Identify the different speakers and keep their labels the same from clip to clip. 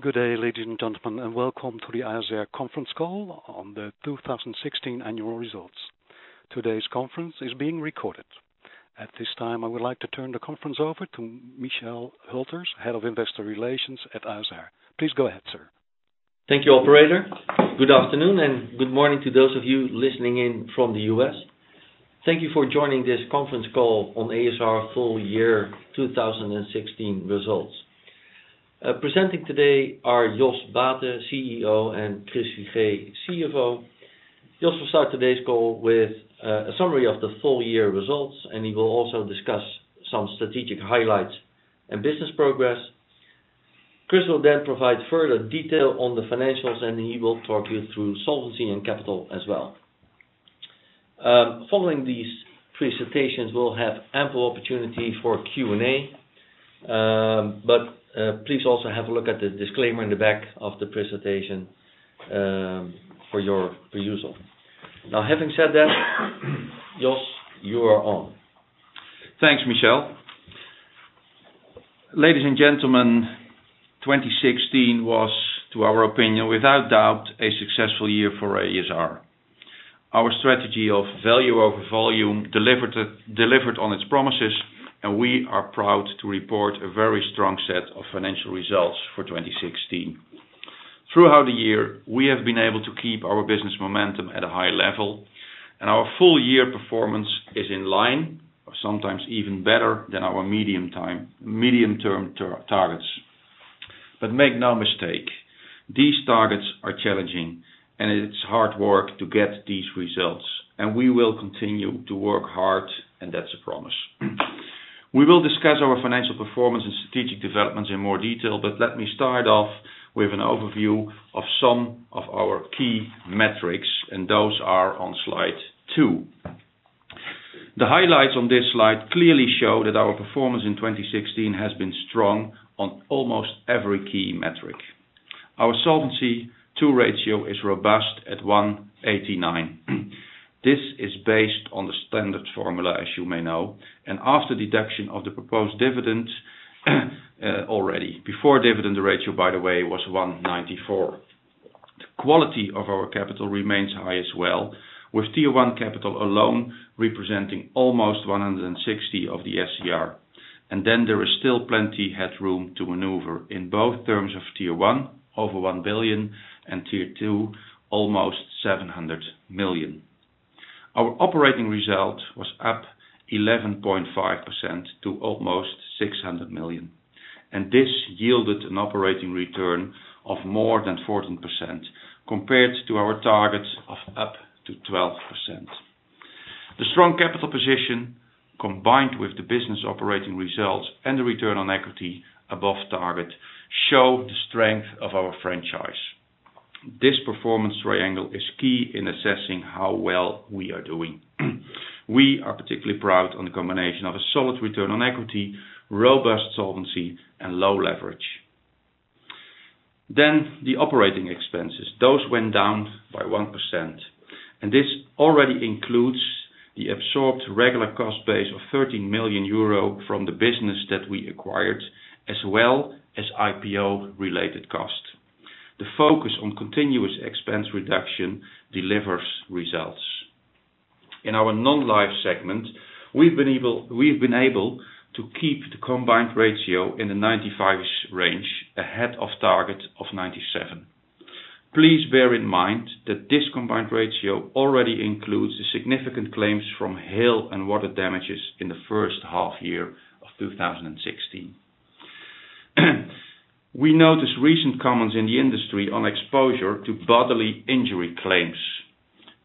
Speaker 1: Good day, ladies and gentlemen, and welcome to the ASR conference call on the 2016 annual results. Today's conference is being recorded. At this time, I would like to turn the conference over to Michel Hülters, Head of Investor Relations at ASR. Please go ahead, sir.
Speaker 2: Thank you, operator. Good afternoon, good morning to those of you listening in from the U.S. Thank you for joining this conference call on ASR full year 2016 results. Presenting today are Jos Baeten, CEO, and Chris Figee, CFO. Jos will start today's call with a summary of the full year results. He will also discuss some strategic highlights and business progress. Chris will then provide further detail on the financials. He will talk you through solvency and capital as well. Following these presentations, we will have ample opportunity for Q&A. Please also have a look at the disclaimer in the back of the presentation for your perusal. Having said that, Jos, you are on.
Speaker 3: Thanks, Michel. Ladies and gentlemen, 2016 was, to our opinion, without doubt, a successful year for ASR. Our strategy of value over volume delivered on its promises. We are proud to report a very strong set of financial results for 2016. Throughout the year, we have been able to keep our business momentum at a high level. Our full year performance is in line, or sometimes even better than our medium-term targets. Make no mistake, these targets are challenging. It is hard work to get these results. We will continue to work hard, and that is a promise. We will discuss our financial performance and strategic developments in more detail. Let me start off with an overview of some of our key metrics. Those are on slide two. The highlights on this slide clearly show that our performance in 2016 has been strong on almost every key metric. Our Solvency II ratio is robust at 189. This is based on the standard formula, as you may know, after deduction of the proposed dividends already. Before dividend, the ratio, by the way, was 194. The quality of our capital remains high as well, with Tier 1 capital alone representing almost 160 of the SCR. There is still plenty headroom to maneuver in both terms of Tier 1, over 1 billion, and Tier 2, almost 700 million. Our operating result was up 11.5% to almost 600 million. This yielded an operating return of more than 14%, compared to our targets of up to 12%. The strong capital position, combined with the business operating results and the return on equity above target, show the strength of our franchise. This performance triangle is key in assessing how well we are doing. We are particularly proud on the combination of a solid return on equity, robust solvency, and low leverage. The operating expenses. Those went down by 1%, and this already includes the absorbed regular cost base of 13 million euro from the business that we acquired, as well as IPO-related cost. The focus on continuous expense reduction delivers results. In our non-life segment, we've been able to keep the combined ratio in the 95% range ahead of target of 97%. Please bear in mind that this combined ratio already includes the significant claims from hail and water damages in the first half year of 2016. We notice recent comments in the industry on exposure to bodily injury claims.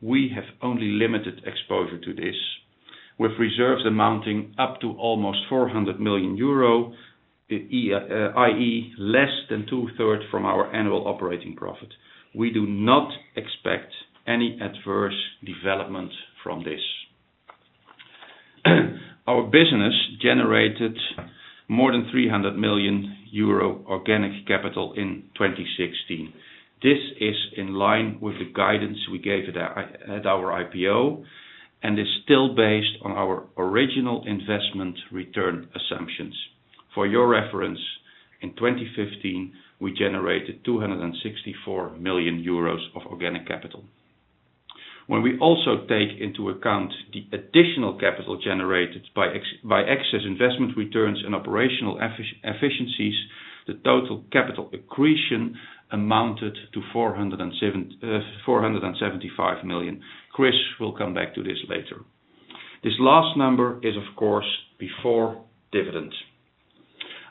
Speaker 3: We have only limited exposure to this, with reserves amounting up to almost 400 million euro, i.e., less than 2/3 from our annual operating profit. We do not expect any adverse development from this. Our business generated more than 300 million euro organic capital in 2016. This is in line with the guidance we gave at our IPO and is still based on our original investment return assumptions. For your reference, in 2015, we generated 264 million euros of organic capital. When we also take into account the additional capital generated by excess investment returns and operational efficiencies, the total capital accretion amounted to 475 million. Chris will come back to this later. This last number is, of course, before dividends.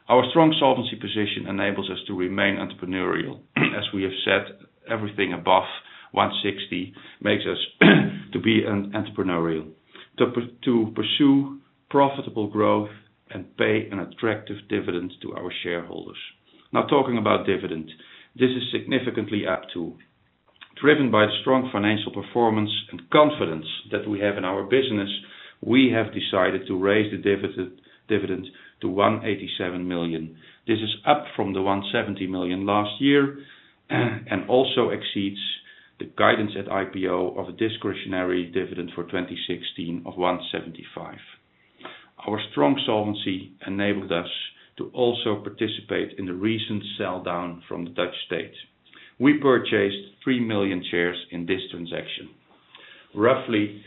Speaker 3: Our strong solvency position enables us to remain entrepreneurial. As we have said, everything above 160% makes us to be entrepreneurial, to pursue profitable growth and pay an attractive dividend to our shareholders. Talking about dividend, this is significantly up too. Driven by the strong financial performance and confidence that we have in our business, we have decided to raise the dividend to 187 million. This is up from the 170 million last year and also exceeds the guidance at IPO of a discretionary dividend for 2016 of 175 million. Our strong solvency enabled us to also participate in the recent sell-down from the Dutch state. We purchased 3 million shares in this transaction, roughly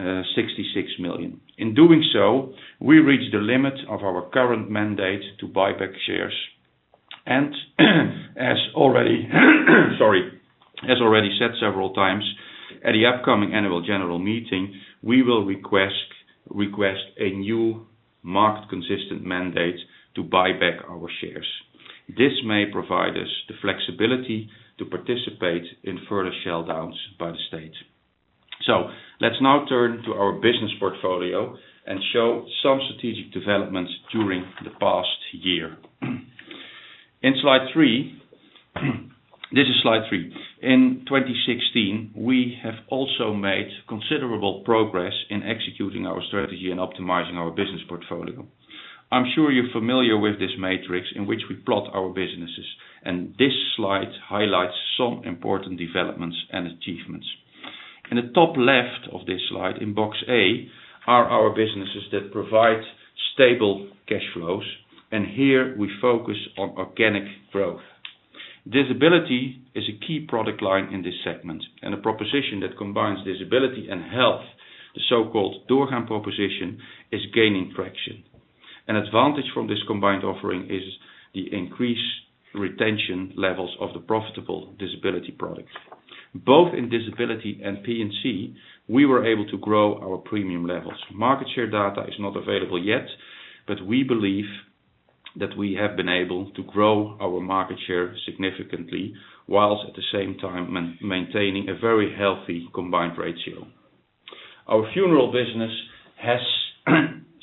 Speaker 3: EUR 66 million. As already said several times, at the upcoming annual general meeting, we will request a new market-consistent mandate to buy back our shares. This may provide us the flexibility to participate in further sell-downs by the state. Let's now turn to our business portfolio and show some strategic developments during the past year. This is slide three. In 2016, we have also made considerable progress in executing our strategy and optimizing our business portfolio. I'm sure you're familiar with this matrix in which we plot our businesses, and this slide highlights some important developments and achievements. In the top left of this slide, in Box A, are our businesses that provide stable cash flows, and here we focus on organic growth. Disability is a key product line in this segment, and a proposition that combines disability and health, the so-called doorgang proposition, is gaining traction. An advantage from this combined offering is the increased retention levels of the profitable disability product. Both in disability and P&C, we were able to grow our premium levels. Market share data is not available yet, but we believe that we have been able to grow our market share significantly, whilst at the same time maintaining a very healthy combined ratio. Our funeral business has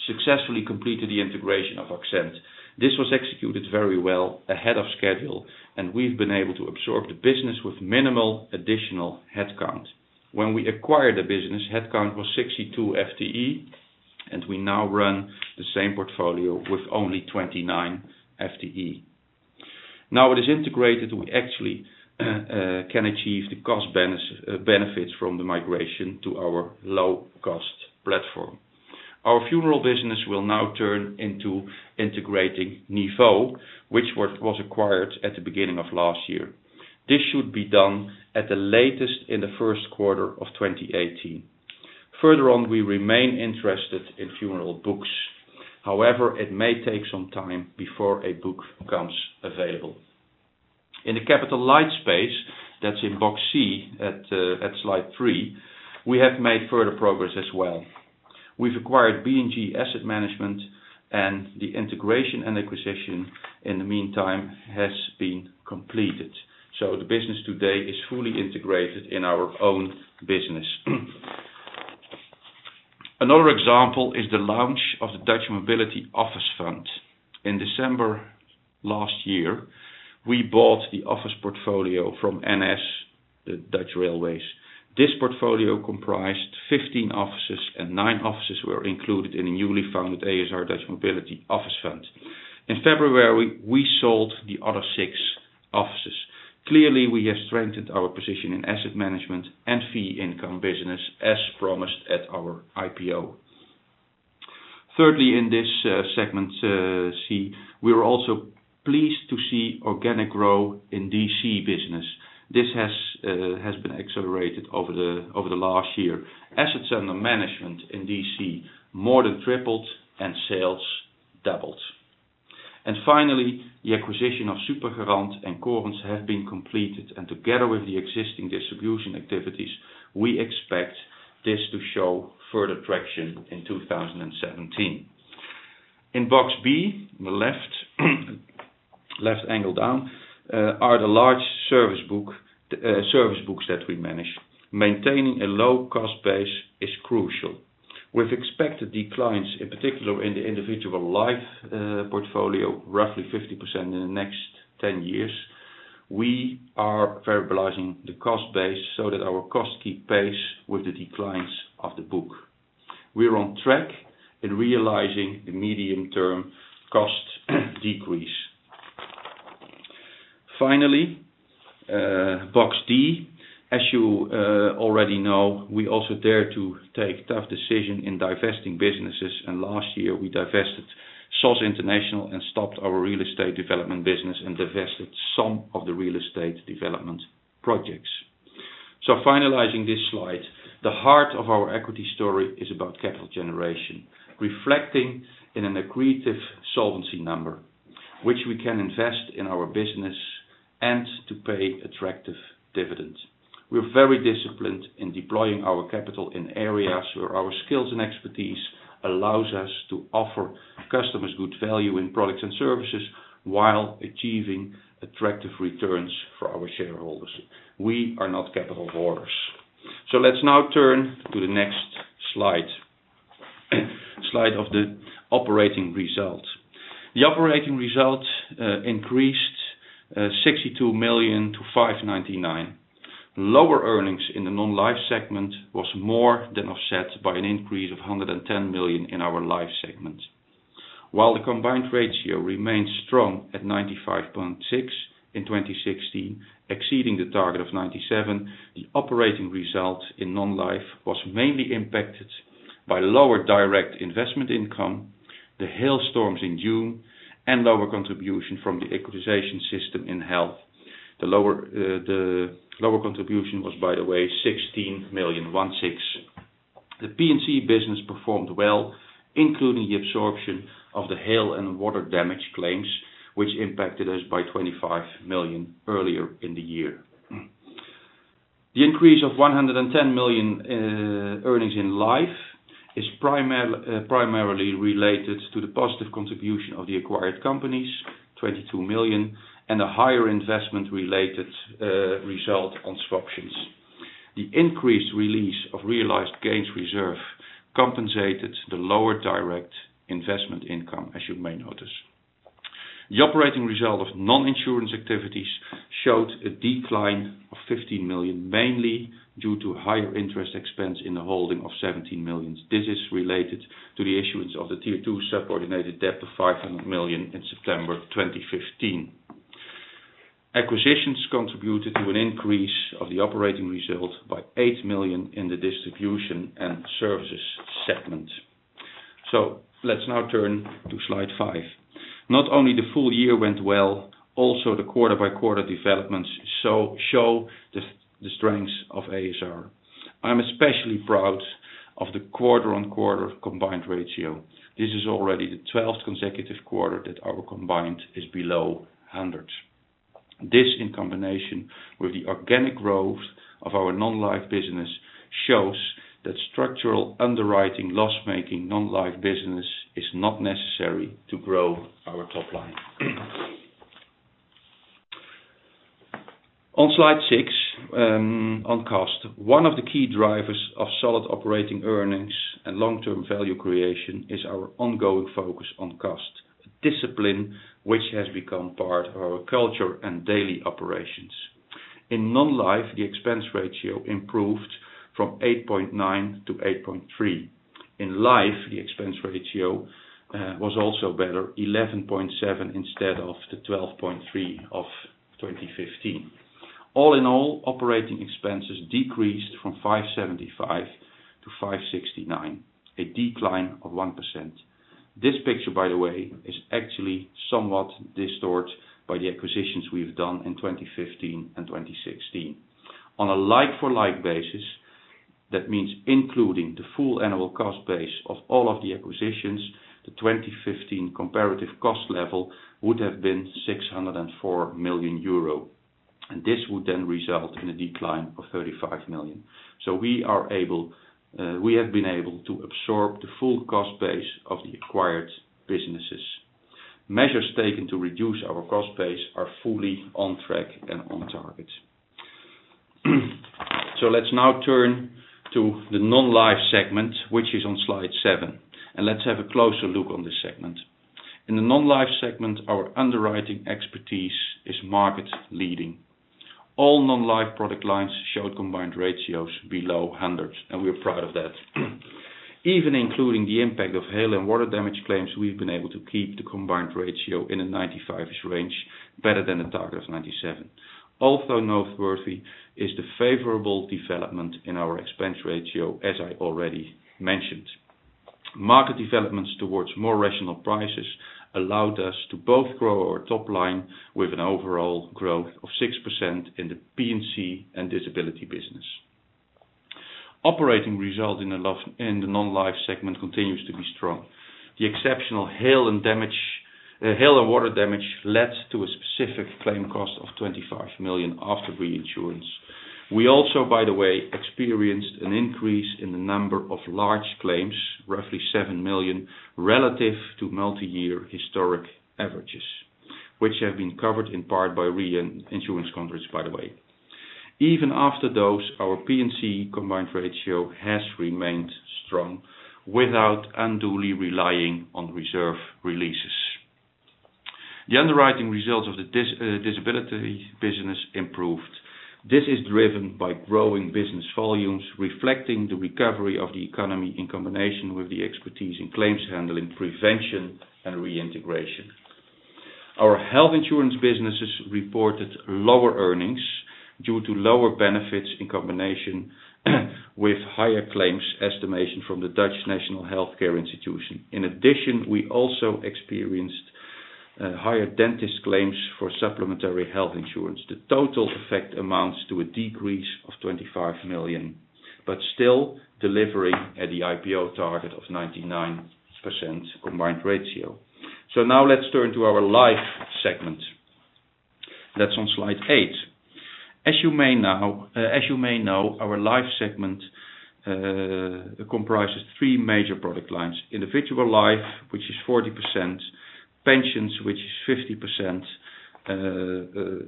Speaker 3: successfully completed the integration of AXENT. This was executed very well ahead of schedule, and we've been able to absorb the business with minimal additional headcount. When we acquired the business, headcount was 62 FTE, and we now run the same portfolio with only 29 FTE. Now it is integrated, we actually can achieve the cost benefits from the migration to our low-cost platform. Our funeral business will now turn into integrating NIVO, which was acquired at the beginning of last year. This should be done at the latest in the first quarter of 2018. Further on, we remain interested in funeral books. However, it may take some time before a book becomes available. In the capital light space, that's in Box C at Slide 3, we have made further progress as well. We've acquired BNG Vermogensbeheer, and the integration and acquisition, in the meantime, has been completed. So the business today is fully integrated in our own business. Another example is the launch of the ASR Dutch Mobility Office Fund. In December last year, we bought the office portfolio from NS, the Dutch Railways. This portfolio comprised 15 offices, and nine offices were included in a newly founded ASR Dutch Mobility Office Fund. In February, we sold the other six offices. Clearly, we have strengthened our position in asset management and fee income business as promised at our IPO. Thirdly, in this segment C, we are also pleased to see organic growth in DC business. This has been accelerated over the last year. Assets under management in DC more than tripled and sales doubled. And finally, the acquisition of SuperGarant and Corins have been completed, and together with the existing distribution activities, we expect this to show further traction in 2017. In Box B, the left angle down, are the large service books that we manage. Maintaining a low cost base is crucial. With expected declines, in particular in the individual life portfolio, roughly 50% in the next 10 years, we are verbalizing the cost base so that our costs keep pace with the declines of the book. We're on track in realizing the medium-term cost decrease. Finally, Box D. As you already know, we also dare to take tough decisions in divesting businesses, and last year we divested SOS International and stopped our real estate development business and divested some of the real estate development projects. So finalizing this slide, the heart of our equity story is about capital generation, reflecting in an accretive solvency number, which we can invest in our business and to pay attractive dividends. We're very disciplined in deploying our capital in areas where our skills and expertise allows us to offer customers good value in products and services while achieving attractive returns for our shareholders. We are not capital hoarders. Let's now turn to the next slide of the operating results. The operating results increased 62 million to 599 million. Lower earnings in the non-life segment was more than offset by an increase of 110 million in our life segment. While the combined ratio remains strong at 95.6 in 2016, exceeding the target of 97, the operating result in non-life was mainly impacted by lower direct investment income, the hailstorms in June, and lower contribution from the equalization system in health. The lower contribution was, by the way, 16 million. The P&C business performed well, including the absorption of the hail and water damage claims, which impacted us by 25 million earlier in the year. The increase of 110 million earnings in Life is primarily related to the positive contribution of the acquired companies, 22 million, and a higher investment-related result on swaptions. The increased release of realized gains reserve compensated the lower direct investment income, as you may notice. The operating result of non-insurance activities showed a decline of 15 million, mainly due to higher interest expense in the holding of 17 million. This is related to the issuance of the Tier 2 subordinated debt of 500 million in September 2015. Acquisitions contributed to an increase of the operating result by 8 million in the distribution and services segment. Let's now turn to slide five. Not only the full year went well, also the quarter-by-quarter developments show the strengths of ASR. I'm especially proud of the quarter-on-quarter combined ratio. This is already the 12th consecutive quarter that our combined is below 100. This, in combination with the organic growth of our non-life business, shows that structural underwriting loss-making non-life business is not necessary to grow our top line. On slide six, on cost. One of the key drivers of solid operating earnings and long-term value creation is our ongoing focus on cost, a discipline which has become part of our culture and daily operations. In non-life, the expense ratio improved from 8.9 to 8.3. In Life, the expense ratio was also better, 11.7 instead of the 12.3 of 2015. All in all, operating expenses decreased from 575 to 569, a decline of 1%. This picture, by the way, is actually somewhat distorted by the acquisitions we've done in 2015 and 2016. On a like-for-like basis, that means including the full annual cost base of all of the acquisitions, the 2015 comparative cost level would have been 604 million euro, and this would then result in a decline of 35 million. We have been able to absorb the full cost base of the acquired businesses. Measures taken to reduce our cost base are fully on track and on target. Let's now turn to the non-life segment, which is on slide seven, and let's have a closer look on this segment. In the non-life segment, our underwriting expertise is market leading. All non-life product lines showed combined ratios below 100, and we're proud of that. Even including the impact of hail and water damage claims, we've been able to keep the combined ratio in the 95-ish range, better than the target of 97. Also noteworthy is the favorable development in our expense ratio, as I already mentioned. Market developments towards more rational prices allowed us to both grow our top line with an overall growth of 6% in the P&C and disability business. Operating result in the non-life segment continues to be strong. The exceptional hail and water damage led to a specific claim cost of 25 million after reinsurance. We also, by the way, experienced an increase in the number of large claims, roughly 7 million, relative to multiyear historic averages, which have been covered in part by reinsurance contracts, by the way. Even after those, our P&C combined ratio has remained strong without unduly relying on reserve releases. The underwriting results of the disability business improved. This is driven by growing business volumes, reflecting the recovery of the economy in combination with the expertise in claims handling, prevention, and reintegration. Our health insurance businesses reported lower earnings due to lower benefits in combination with higher claims estimation from the National Health Care Institute. In addition, we also experienced higher dentist claims for supplementary health insurance. The total effect amounts to a decrease of 25 million, but still delivering at the IPO target of 99% combined ratio. Now let's turn to our Life segment. That's on slide eight. As you may know, our Life segment comprises three major product lines, individual Life, which is 40%, pensions, which is 50%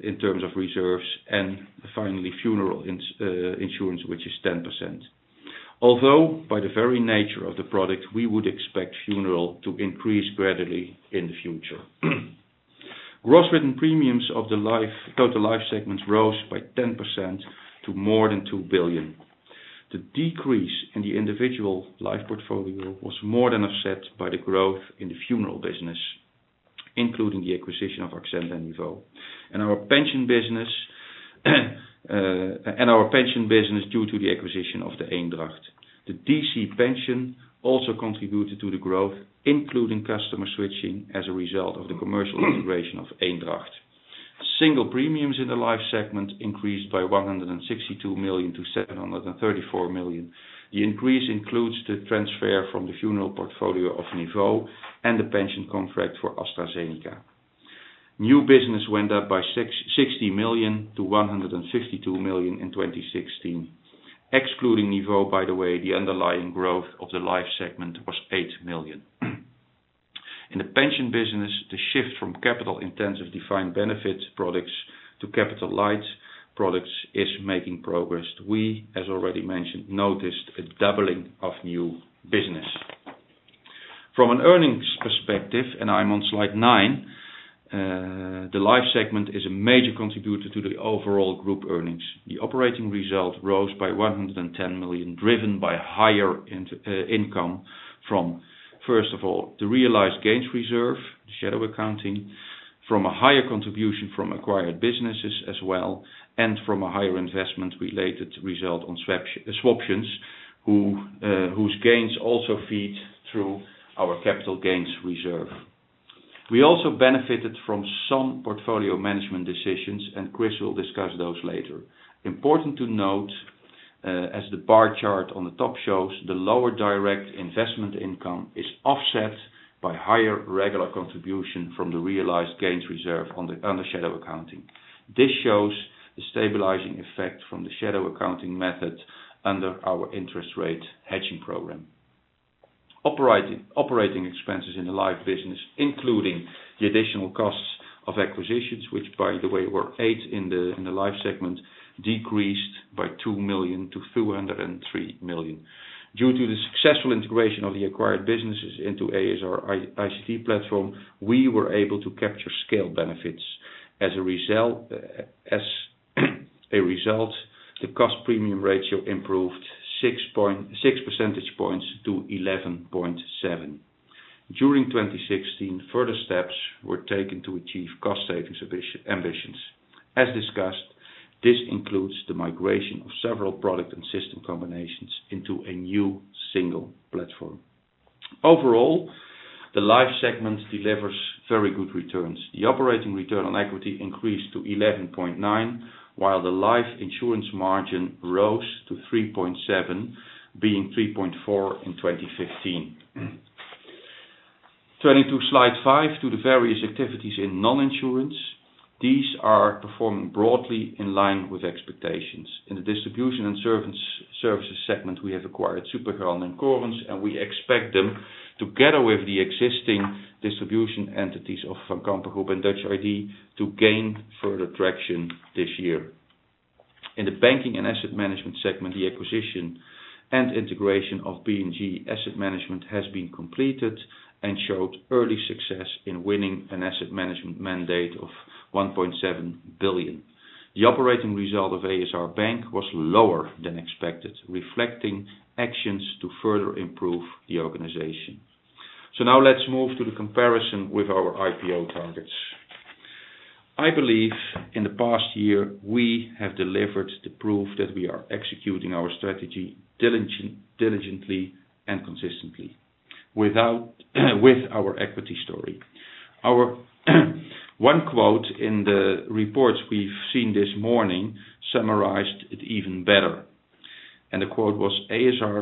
Speaker 3: in terms of reserves, and finally, funeral insurance, which is 10%. Although by the very nature of the product, we would expect funeral to increase gradually in the future. Gross written premiums of the total life segments rose by 10% to more than 2 billion. The decrease in the individual life portfolio was more than offset by the growth in the funeral business, including the acquisition of AXENT and NIVO. Our pension business due to the acquisition of the Eendragt. The DC pension also contributed to the growth, including customer switching as a result of the commercial integration of Eendragt. Single premiums in the life segment increased by 162 million to 734 million. The increase includes the transfer from the funeral portfolio of NIVO and the pension contract for AstraZeneca. New business went up by 60 million to 152 million in 2016. Excluding NIVO, by the way, the underlying growth of the life segment was 8 million. In the pension business, the shift from capital-intensive defined benefits products to capital light products is making progress. We, as already mentioned, noticed a doubling of new business. From an earnings perspective, and I'm on slide nine, the life segment is a major contributor to the overall group earnings. The operating result rose by 110 million, driven by higher income from, first of all, the realized gains reserve, shadow accounting, from a higher contribution from acquired businesses as well, and from a higher investment-related result on swaptions whose gains also feed through our capital gains reserve. We also benefited from some portfolio management decisions, Chris will discuss those later. Important to note, as the bar chart on the top shows, the lower direct investment income is offset by higher regular contribution from the realized gains reserve under shadow accounting. This shows the stabilizing effect from the shadow accounting method under our interest rate hedging program. Operating expenses in the life business, including the additional costs of acquisitions, which by the way, were eight in the life segment, decreased by 2 million to 303 million. Due to the successful integration of the acquired businesses into ASR ICT platform, we were able to capture scale benefits. As a result, the cost premium ratio improved 6 percentage points to 11.7%. During 2016, further steps were taken to achieve cost savings ambitions. As discussed, this includes the migration of several product and system combinations into a new single platform. Overall, the life segment delivers very good returns. The operating return on equity increased to 11.9%, while the life insurance margin rose to 3.7%, being 3.4% in 2015. Turning to slide five, to the various activities in non-insurance. These are performing broadly in line with expectations. In the distribution and services segment, we have acquired SuperGarant and Corins, and we expect them, together with the existing distribution entities of Van Kampen Groep and Dutch ID, to gain further traction this year. In the banking and asset management segment, the acquisition and integration of BNG Vermogensbeheer has been completed and showed early success in winning an asset management mandate of 1.7 billion. The operating result of ASR Bank was lower than expected, reflecting actions to further improve the organization. Now let's move to the comparison with our IPO targets. I believe in the past year, we have delivered the proof that we are executing our strategy diligently and consistently with our equity story. One quote in the reports we've seen this morning summarized it even better. The quote was, "ASR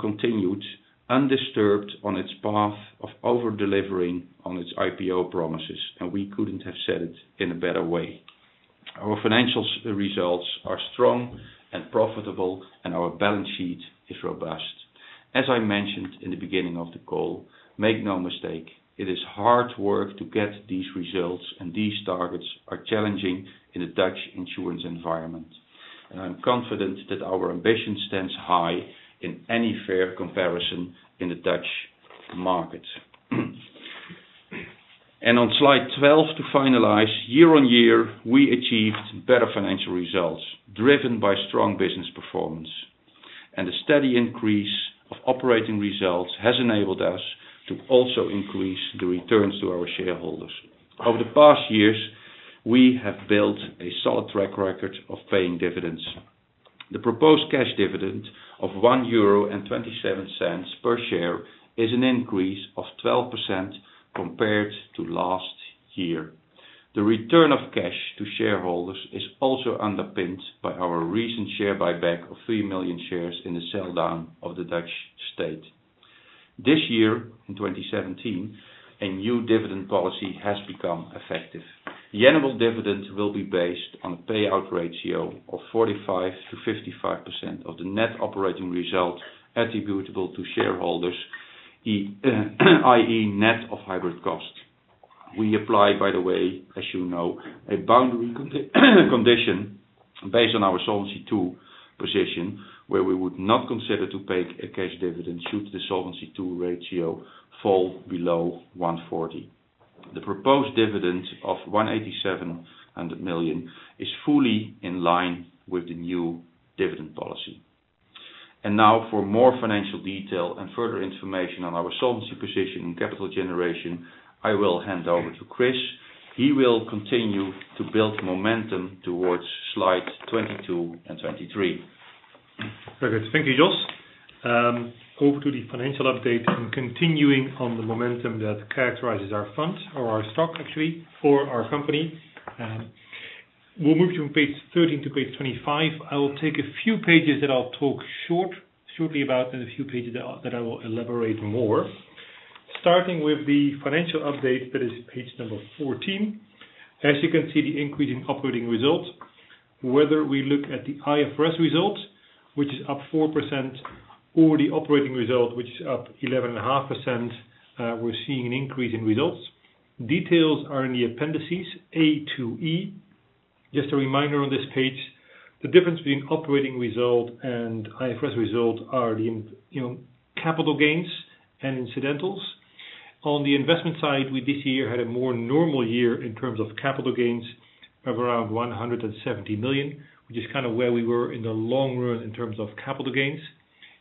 Speaker 3: continued undisturbed on its path of over-delivering on its IPO promises." We couldn't have said it in a better way. Our financial results are strong and profitable, and our balance sheet is robust. As I mentioned in the beginning of the call, make no mistake, it is hard work to get these results, and these targets are challenging in the Dutch insurance environment. I'm confident that our ambition stands high in any fair comparison in the Dutch market. On slide 12, to finalize, year-on-year, we achieved better financial results, driven by strong business performance. The steady increase of operating results has enabled us to also increase the returns to our shareholders. Over the past years, we have built a solid track record of paying dividends. The proposed cash dividend of 1.27 euro per share is an increase of 12% compared to last year. The return of cash to shareholders is also underpinned by our recent share buyback of 3 million shares in the sell-down of the Dutch state. This year, in 2017, a new dividend policy has become effective. The annual dividend will be based on a payout ratio of 45%-55% of the net operating result attributable to shareholders, i.e., net of hybrid costs. We apply, by the way, as you know, a boundary condition based on our Solvency II position, where we would not consider to pay a cash dividend should the Solvency II ratio fall below 140%. The proposed dividend of 187 million is fully in line with the new dividend policy. Now for more financial detail and further information on our Solvency II position and capital generation, I will hand over to Chris. He will continue to build momentum towards slides 22 and 23.
Speaker 4: Very good. Thank you, Jos. Over to the financial update and continuing on the momentum that characterizes our fund, or our stock actually, for our company. We will move from page 13 to page 25. I will take a few pages that I will talk shortly about and a few pages that I will elaborate more. Starting with the financial update, that is page number 14. As you can see, the increase in operating results, whether we look at the IFRS results, which is up 4%, or the operating result, which is up 11.5%, we are seeing an increase in results. Details are in the appendices A to E. Just a reminder on this page, the difference between operating result and IFRS result are the capital gains and incidentals. On the investment side, we this year had a more normal year in terms of capital gains of around 170 million, which is kind of where we were in the long run in terms of capital gains.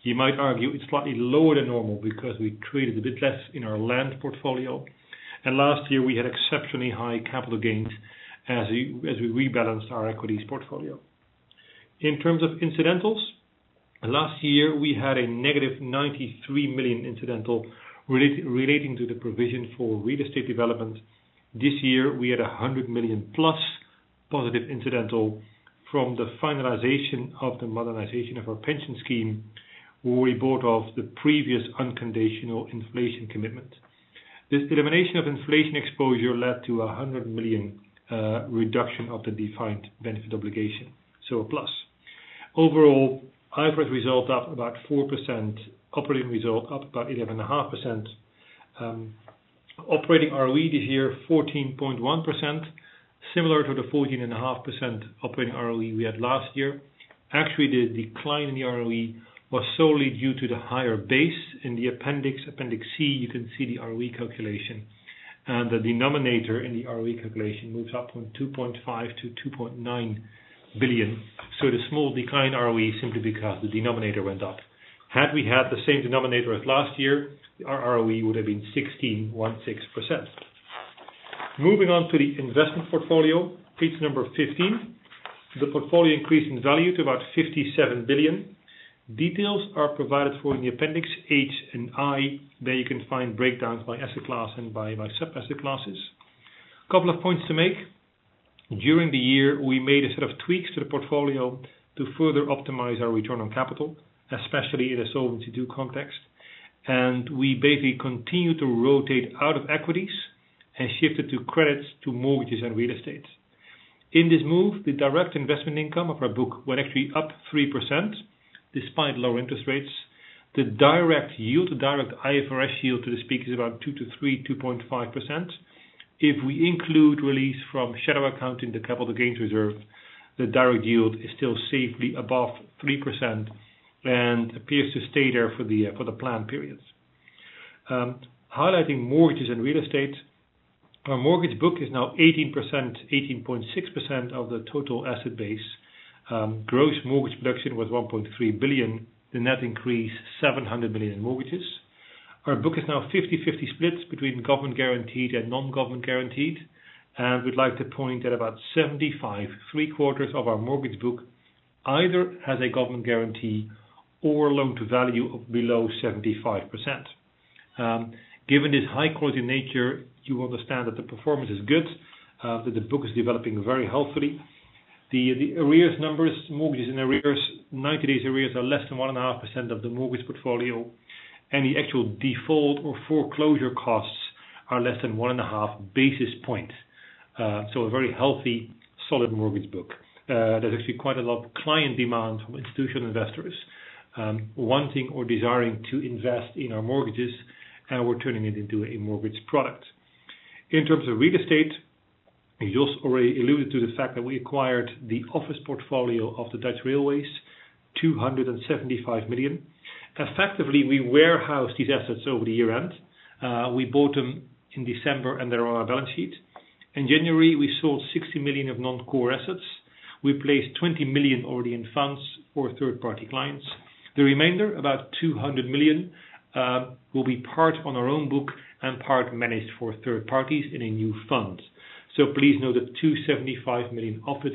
Speaker 4: You might argue it is slightly lower than normal because we traded a bit less in our land portfolio. Last year we had exceptionally high capital gains as we rebalanced our equities portfolio. In terms of incidentals, last year we had a negative 93 million incidental relating to the provision for real estate development. This year, we had 100 million-plus positive incidental from the finalization of the modernization of our pension scheme, where we bought off the previous unconditional inflation commitment. This elimination of inflation exposure led to 100 million reduction of the defined benefit obligation, so a plus. Overall, IFRS result up about 4%, operating result up about 11.5%. Operating ROE this year, 14.1%, similar to the 14.5% operating ROE we had last year. Actually, the decline in the ROE was solely due to the higher base. In the appendix C, you can see the ROE calculation. The denominator in the ROE calculation moves up from 2.5 billion to 2.9 billion. The small decline in ROE is simply because the denominator went up. Had we had the same denominator as last year, our ROE would have been 16.16%. Moving on to the investment portfolio, page number 15. The portfolio increased in value to about 57 billion. Details are provided for in the appendix H and I. There you can find breakdowns by asset class and by sub-asset classes. Couple of points to make. During the year, we made a set of tweaks to the portfolio to further optimize our return on capital, especially in a Solvency II context. We basically continued to rotate out of equities and shifted to credits to mortgages and real estate. In this move, the direct investment income of our book went actually up 3%, despite low interest rates. The direct yield, the direct IFRS yield so to speak, is about 2% to 3%, 2.5%. If we include release from shadow accounting in the capital gains reserve, the direct yield is still safely above 3% and appears to stay there for the plan periods. Highlighting mortgages and real estate, our mortgage book is now 18%, 18.6% of the total asset base. Gross mortgage production was 1.3 billion. The net increase, 700 million in mortgages. Our book is now 50/50 split between government guaranteed and non-government guaranteed. We'd like to point at about 75, three-quarters of our mortgage book either has a government guarantee or loan to value of below 75%. Given this high-quality nature, you understand that the performance is good, that the book is developing very healthily. The arrears numbers, mortgages in arrears, 90 days arrears are less than 1.5% of the mortgage portfolio, and the actual default or foreclosure costs are less than one and a half basis points. A very healthy, solid mortgage book. There's actually quite a lot of client demand from institutional investors wanting or desiring to invest in our mortgages, we're turning it into a mortgage product. In terms of real estate, Jos already alluded to the fact that we acquired the office portfolio of the Dutch Railways, 275 million. Effectively, we warehoused these assets over the year-end. We bought them in December, they're on our balance sheet. In January, we sold 60 million of non-core assets. We placed 20 million already in funds for third-party clients. The remainder, about 200 million, will be part on our own book and part managed for third parties in a new fund. Please know that 275 million office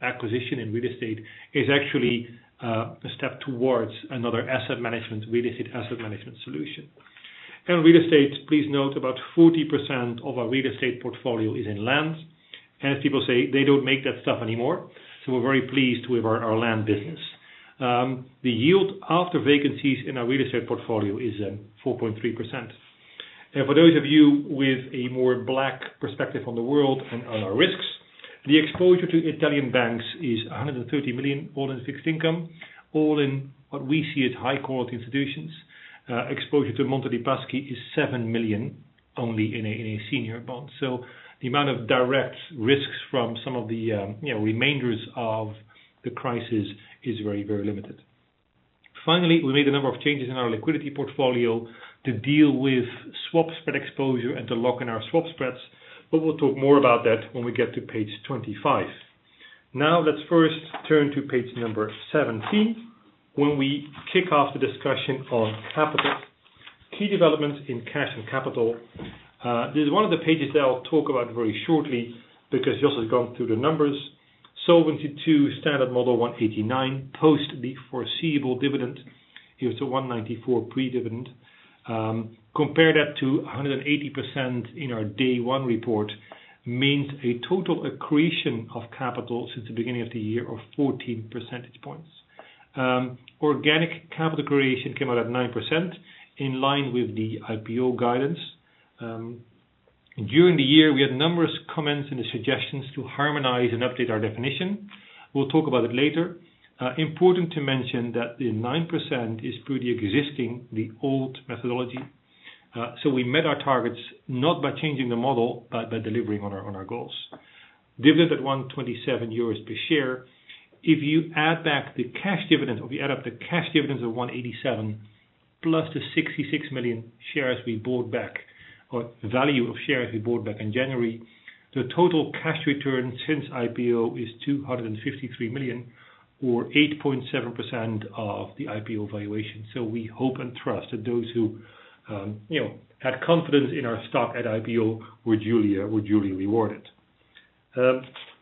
Speaker 4: acquisition in real estate is actually a step towards another asset management, real estate asset management solution. In real estate, please note about 40% of our real estate portfolio is in land. As people say, they don't make that stuff anymore. We're very pleased with our land business. The yield after vacancies in our real estate portfolio is 4.3%. For those of you with a more black perspective on the world and on our risks The exposure to Italian banks is 130 million, all in fixed income, all in what we see as high-quality institutions. Exposure to Monte dei Paschi is 7 million, only in a senior bond. The amount of direct risks from some of the remainders of the crisis is very limited. Finally, we made a number of changes in our liquidity portfolio to deal with swap spread exposure and to lock in our swap spreads, we'll talk more about that when we get to page 25. Let's first turn to page number 17, when we kick off the discussion on capital. Key developments in cash and capital. This is one of the pages that I'll talk about very shortly because Jos has gone through the numbers. Solvency II standard model 189%, post the foreseeable dividend. It was to 194% pre-dividend. Compare that to 180% in our day one report, means a total accretion of capital since the beginning of the year of 14 percentage points. Organic capital accretion came out at 9%, in line with the IPO guidance. During the year, we had numerous comments and suggestions to harmonize and update our definition. We'll talk about it later. Important to mention that the 9% is pretty existing, the old methodology. We met our targets not by changing the model, but by delivering on our goals. Dividend at 127 euros per share. If you add back the cash dividend, or if you add up the cash dividends of 187 plus the 66 million shares we bought back, or value of shares we bought back in January, the total cash return since IPO is 253 million or 8.7% of the IPO valuation. We hope and trust that those who had confidence in our stock at IPO were duly rewarded.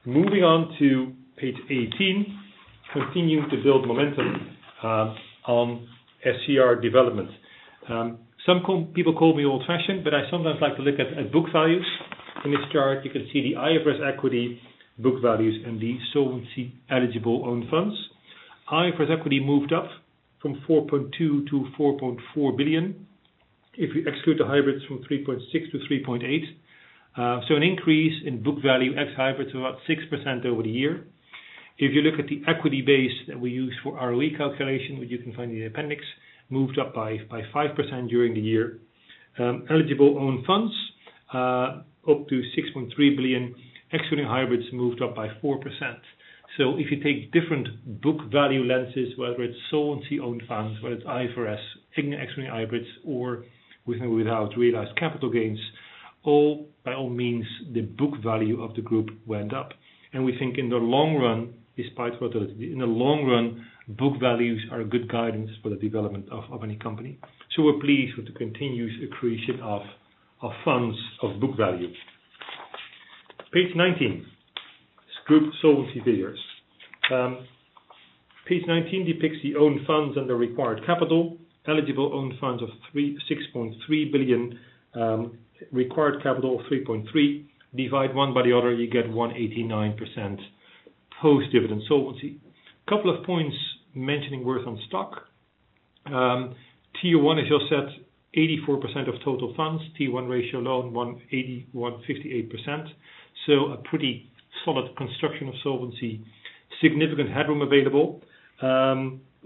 Speaker 4: Moving on to page 18, continuing to build momentum on SCR development. Some people call me old-fashioned, but I sometimes like to look at book values. In this chart, you can see the IFRS equity book values and the solvency eligible own funds. IFRS equity moved up from 4.2 to 4.4 billion. If you exclude the hybrids from 3.6 to 3.8. An increase in book value ex hybrid to about 6% over the year. If you look at the equity base that we use for ROE calculation, which you can find in the appendix, moved up by 5% during the year. Eligible own funds up to 6.3 billion, excluding hybrids moved up by 4%. If you take different book value lenses, whether it's solvency own funds, whether it's IFRS, taking or excluding hybrids or with and without realized capital gains, by all means the book value of the group went up. We think in the long run, despite volatility, in the long run, book values are a good guidance for the development of any company. We're pleased with the continuous accretion of funds of book value. Page 19. Group solvency figures. Page 19 depicts the own funds under required capital. Eligible own funds of 6.3 billion, required capital of 3.3. Divide one by the other, you get 189% post-dividend solvency. Couple of points mentioning worth on stock. Tier 1, as Jos said, 84% of total funds. Tier 1 ratio alone, 158%. A pretty solid construction of solvency. Significant headroom available.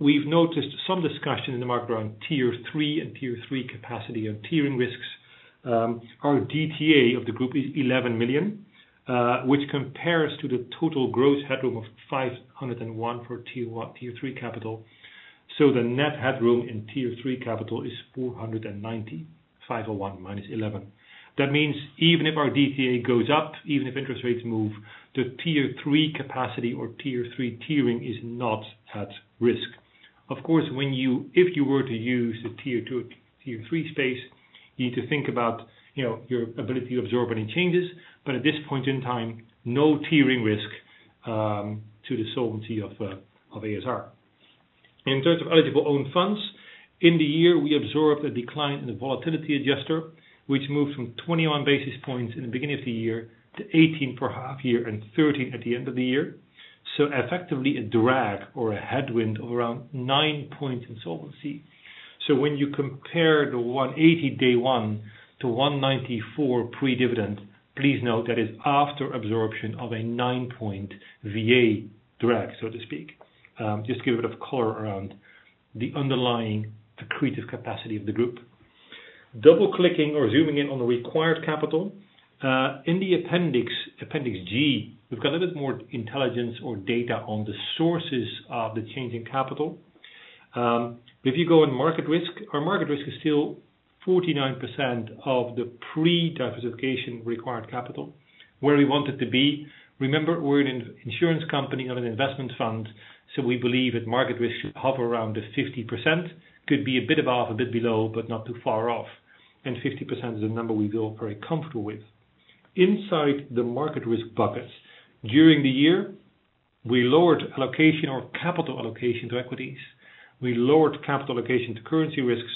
Speaker 4: We've noticed some discussion in the market around Tier 3 and Tier 3 capacity and tiering risks. Our DTA of the group is 11 million, which compares to the total gross headroom of 501 for Tier 3 capital. The net headroom in Tier 3 capital is 490. 501 minus 11. That means even if our DTA goes up, even if interest rates move to Tier 3 capacity or Tier 3 tiering is not at risk. Of course, if you were to use the Tier 2/Tier 3 space, you need to think about your ability to absorb any changes. At this point in time, no tiering risk to the solvency of ASR. In terms of eligible own funds, in the year, we absorbed a decline in the volatility adjuster, which moved from 21 basis points in the beginning of the year to 18 for half year and 13 at the end of the year. Effectively a drag or a headwind of around nine points in solvency. When you compare the 180 day one to 194 pre-dividend, please note that is after absorption of a nine-point VA drag, so to speak. Just give a bit of color around the underlying accretive capacity of the group. Double-clicking or zooming in on the required capital. In the appendix, Appendix G, we've got a little bit more intelligence or data on the sources of the change in capital. If you go on market risk, our market risk is still 49% of the pre-diversification required capital. Where we want it to be, remember, we're an insurance company, not an investment fund. We believe that market risk should hover around the 50%. Could be a bit above, a bit below, but not too far off. 50% is a number we feel very comfortable with. Inside the market risk buckets, during the year, we lowered allocation or capital allocation to equities, we lowered capital allocation to currency risks,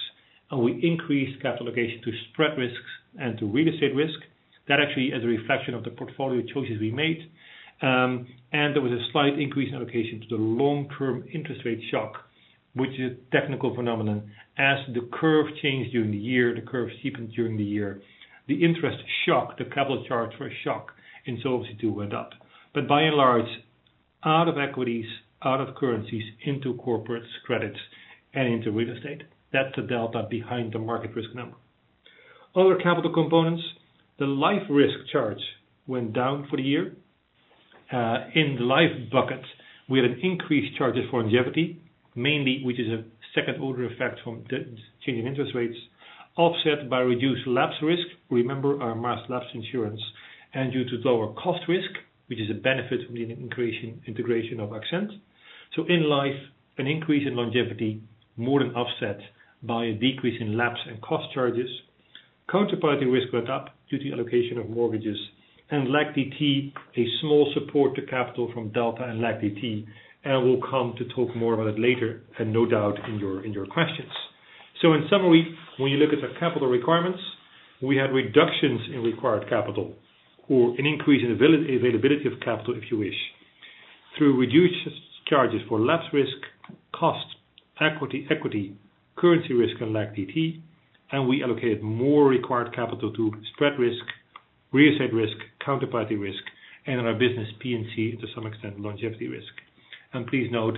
Speaker 4: and we increased capital allocation to spread risks and to real estate risk. That actually is a reflection of the portfolio choices we made. There was a slight increase in allocation to the long-term interest rate shock, which is a technical phenomenon. As the curve changed during the year, the curve steepened during the year. The interest shock, the capital charge for a shock in Solvency II went up. By and large Out of equities, out of currencies, into corporates, credits, and into real estate. That's the delta behind the market risk number. Other capital components, the life risk charge went down for the year. In the life bucket, we had an increased charges for longevity, mainly, which is a second-order effect from the change in interest rates, offset by reduced lapse risk. Remember our mass lapse insurance. Due to lower cost risk, which is a benefit from the integration of AXENT. In life, an increase in longevity more than offset by a decrease in lapse and cost charges. Counterparty risk went up due to the allocation of mortgages and LAC-DT, a small support to capital from delta and LAC-DT. We'll come to talk more about it later and no doubt in your questions. In summary, when you look at the capital requirements, we had reductions in required capital or an increase in availability of capital, if you wish, through reduced charges for lapse risk, cost, equity, currency risk and LAC-DT. We allocated more required capital to spread risk, real estate risk, counterparty risk, and in our business P&C, to some extent, longevity risk. Please note,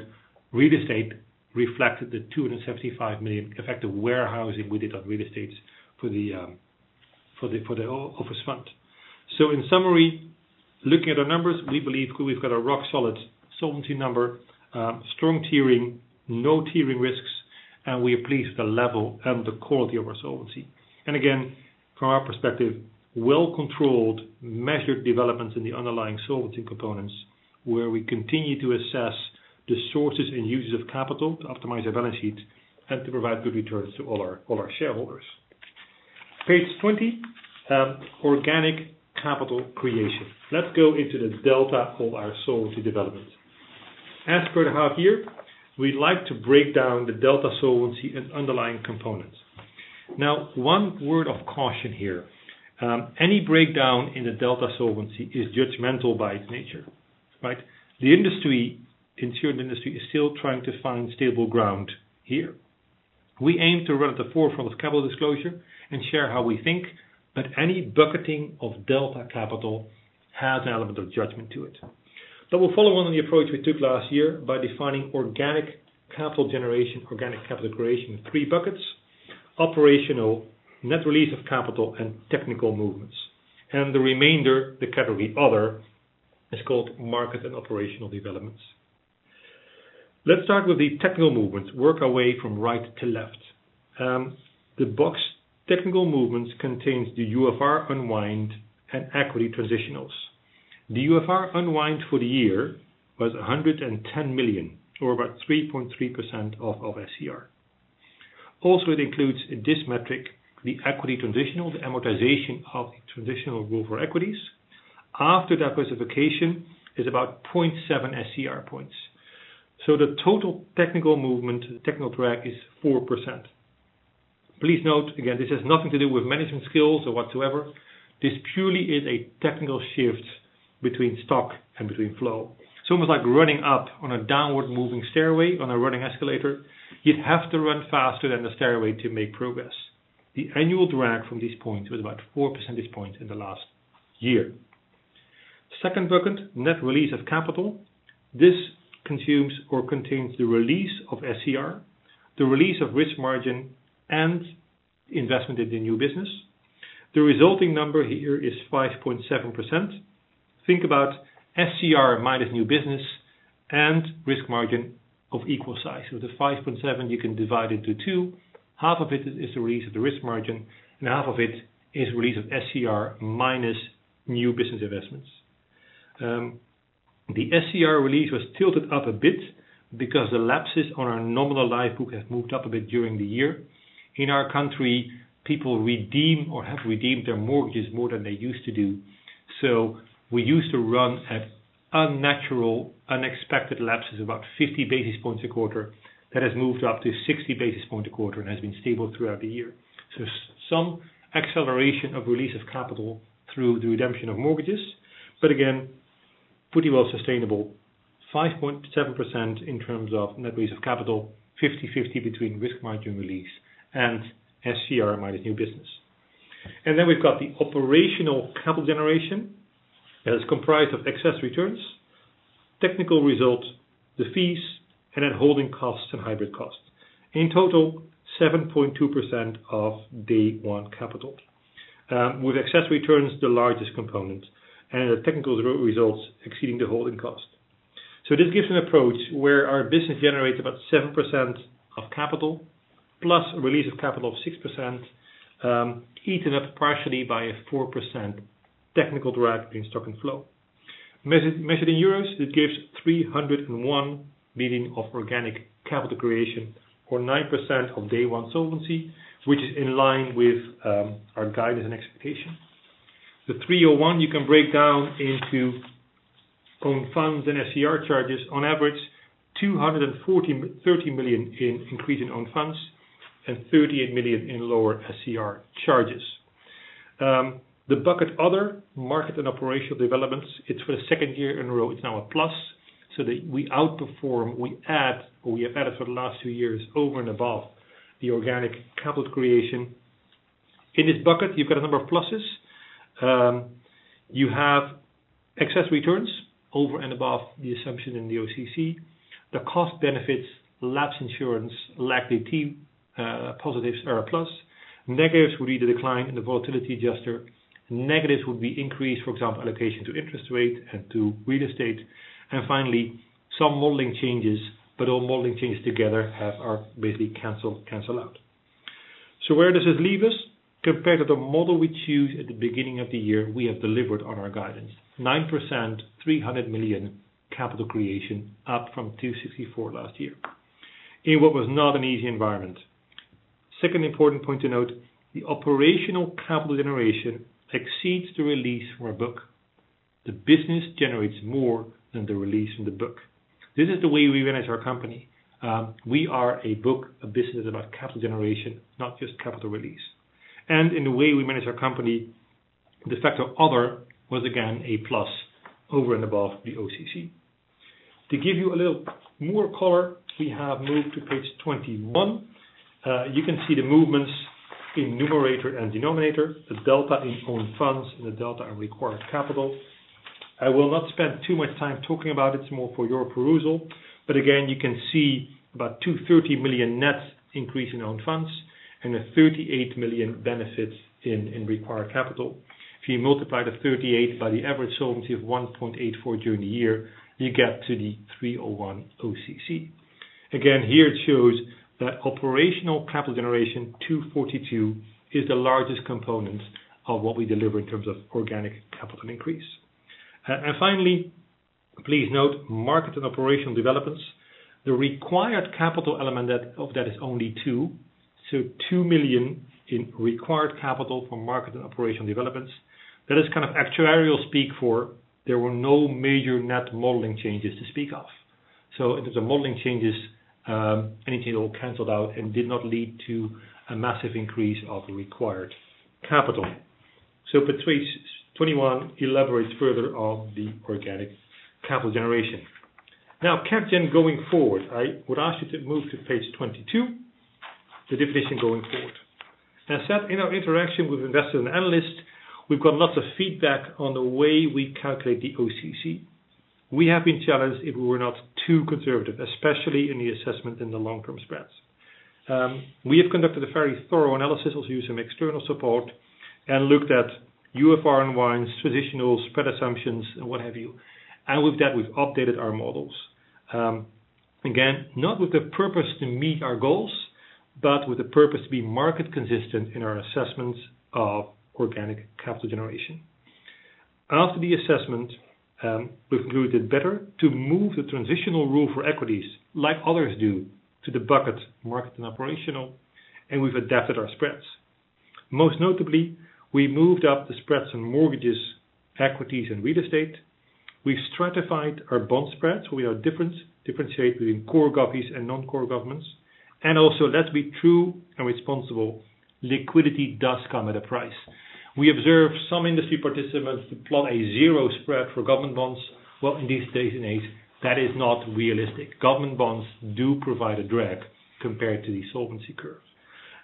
Speaker 4: real estate reflected the 275 million effect of warehousing we did on real estate for the office fund. In summary, looking at our numbers, we believe we've got a rock-solid solvency number, strong tiering, no tiering risks. We are pleased with the level and the quality of our solvency. Again, from our perspective, well-controlled, measured developments in the underlying solvency components, where we continue to assess the sources and uses of capital to optimize our balance sheet and to provide good returns to all our shareholders. Page 20, organic capital creation. Let's go into the delta of our solvency development. As per the hub here, we'd like to break down the delta solvency and underlying components. One word of caution here. Any breakdown in the delta solvency is judgmental by its nature. Right? The insurance industry is still trying to find stable ground here. We aim to run at the forefront of capital disclosure and share how we think, any bucketing of delta capital has an element of judgment to it. We'll follow on in the approach we took last year by defining organic capital generation, organic capital creation in three buckets: operational, net release of capital, and technical movements. The remainder, the category other, is called market and operational developments. Let's start with the technical movements, work our way from right to left. The box technical movements contains the UFR unwind and equity transitionals. The UFR unwind for the year was 110 million or about 3.3% of SCR. It includes this metric, the equity transitional, the amortization of the transitional rule for equities. After that specification is about 0.7 SCR points. The total technical movement, the technical drag is 4%. Please note, again, this has nothing to do with management skills or whatsoever. This purely is a technical shift between stock and between flow. It's almost like running up on a downward moving stairway on a running escalator. You'd have to run faster than the stairway to make progress. The annual drag from this point was about four percentage points in the last year. Second bucket, net release of capital. This consumes or contains the release of SCR, the release of risk margin, and investment in the new business. The resulting number here is 5.7%. Think about SCR minus new business and risk margin of equal size. The 5.7 you can divide into two. Half of it is the release of the risk margin, and half of it is release of SCR minus new business investments. The SCR release was tilted up a bit because the lapses on our nominal life book have moved up a bit during the year. In our country, people redeem or have redeemed their mortgages more than they used to do. We used to run at unnatural, unexpected lapses, about 50 basis points a quarter. That has moved up to 60 basis point a quarter and has been stable throughout the year. Some acceleration of release of capital through the redemption of mortgages, but again, pretty well sustainable. 5.7% in terms of net base of capital, 50/50 between risk margin release and SCR minus new business. We've got the operational capital generation that is comprised of excess returns, technical results, the fees, and then holding costs and hybrid costs. In total, 7.2% of day one capital. With excess returns the largest component and the technical results exceeding the holding cost. This gives an approach where our business generates about 7% of capital plus a release of capital of 6%, eaten up partially by a 4% technical drag between stock and flow. Measured in EUR, it gives 301 million of organic capital creation or 9% of day one solvency, which is in line with our guidance and expectation. The 301 you can break down into own funds and SCR charges. On average, 230 million in increase in own funds and 38 million in lower SCR charges. The bucket other, market and operational developments, it's for the second year in a row, it's now a plus, so that we outperform, we add, or we have added for the last two years over and above the organic capital creation. In this bucket, you've got a number of pluses. You have excess returns over and above the assumption in the OCC. The cost benefits lapse insurance, LACDT positives are a plus. Negatives would be the decline in the volatility adjuster. Negatives would be increase, for example, allocation to interest rate and to real estate. Finally, some modeling changes, but all modeling changes together have are basically cancel out. Where does this leave us? Compared to the model we choose at the beginning of the year, we have delivered on our guidance, 9%, 300 million capital creation up from 264 last year, in what was not an easy environment. Second important point to note, the operational capital generation exceeds the release from a book. The business generates more than the release from the book. This is the way we manage our company. We are a book, a business about capital generation, not just capital release. In the way we manage our company, the factor other was again, a plus over and above the OCC. To give you a little more color, we have moved to page 21. You can see the movements in numerator and denominator, the delta in own funds, and the delta in required capital. I will not spend too much time talking about it's more for your perusal. Again, you can see about 230 million net increase in own funds and a 38 million benefits in required capital. If you multiply the 38 by the average solvency of 1.84 during the year, you get to the 301 OCC. Again, here it shows that operational capital generation 242 is the largest component of what we deliver in terms of organic capital increase. Finally, please note market and operational developments. The required capital element of that is only 2. 2 million in required capital for market and operational developments. That is kind of actuarial speak for there were no major net modeling changes to speak of. In terms of modeling changes, anything at all canceled out and did not lead to a massive increase of the required capital. Page 21 elaborates further on the organic capital generation. Cap gen going forward, I would ask you to move to page 22, the definition going forward. Seth, in our interaction with investors and analysts, we've got lots of feedback on the way we calculate the OCC. We have been challenged if we were not too conservative, especially in the assessment in the long-term spreads. We have conducted a very thorough analysis, also used some external support and looked at UFR and VAs, traditional spread assumptions and what have you. With that, we've updated our models. Again, not with the purpose to meet our goals, but with the purpose to be market consistent in our assessments of organic capital generation. After the assessment, we've concluded better to move the transitional rule for equities like others do to the bucket market and operational, and we've adapted our spreads. Most notably, we moved up the spreads on mortgages, equities, and real estate. We've stratified our bond spreads. We are different, differentiate between core govies and non-core governments. Also, let's be true and responsible, liquidity does come at a price. We observe some industry participants plot a zero spread for government bonds. Well, in this day and age, that is not realistic. Government bonds do provide a drag compared to the solvency curves.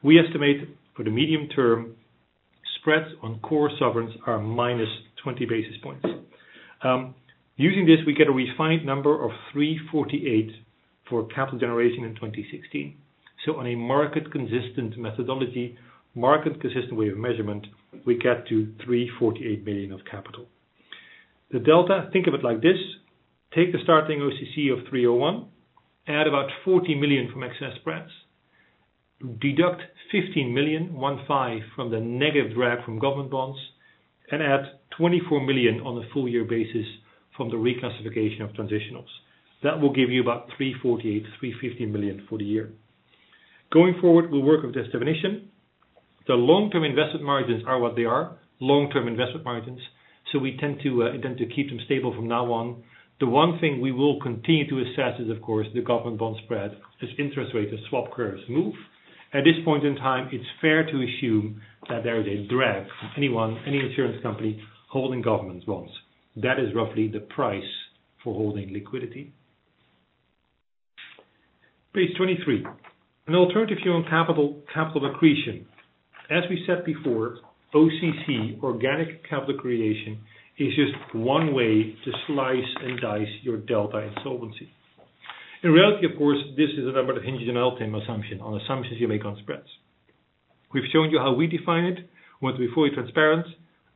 Speaker 4: We estimate for the medium term, spreads on core sovereigns are -20 basis points. Using this, we get a refined number of 348 million for capital generation in 2016. So on a market consistent methodology, market consistent way of measurement, we get to 348 million of capital. The delta, think of it like this. Take the starting OCC of 301 million, add about 40 million from excess spreads, deduct 15 million from the negative drag from government bonds, and add 24 million on a full year basis from the reclassification of transitionals. That will give you about 348 million to 350 million for the year. Going forward, we will work with this definition. The long-term investment margins are what they are, long-term investment margins. So we tend to keep them stable from now on. The one thing we will continue to assess is, of course, the government bond spread as interest rates and swap curves move. At this point in time, it is fair to assume that there is a drag on anyone, any insurance company holding government bonds. That is roughly the price for holding liquidity. Page 23. An alternative view on capital accretion. As we said before, OCC, organic capital creation, is just one way to slice and dice your delta and solvency. In reality, of course, this is a number that hinges on an ultimate assumption, on assumptions you make on spreads. We have shown you how we define it. We want to be fully transparent,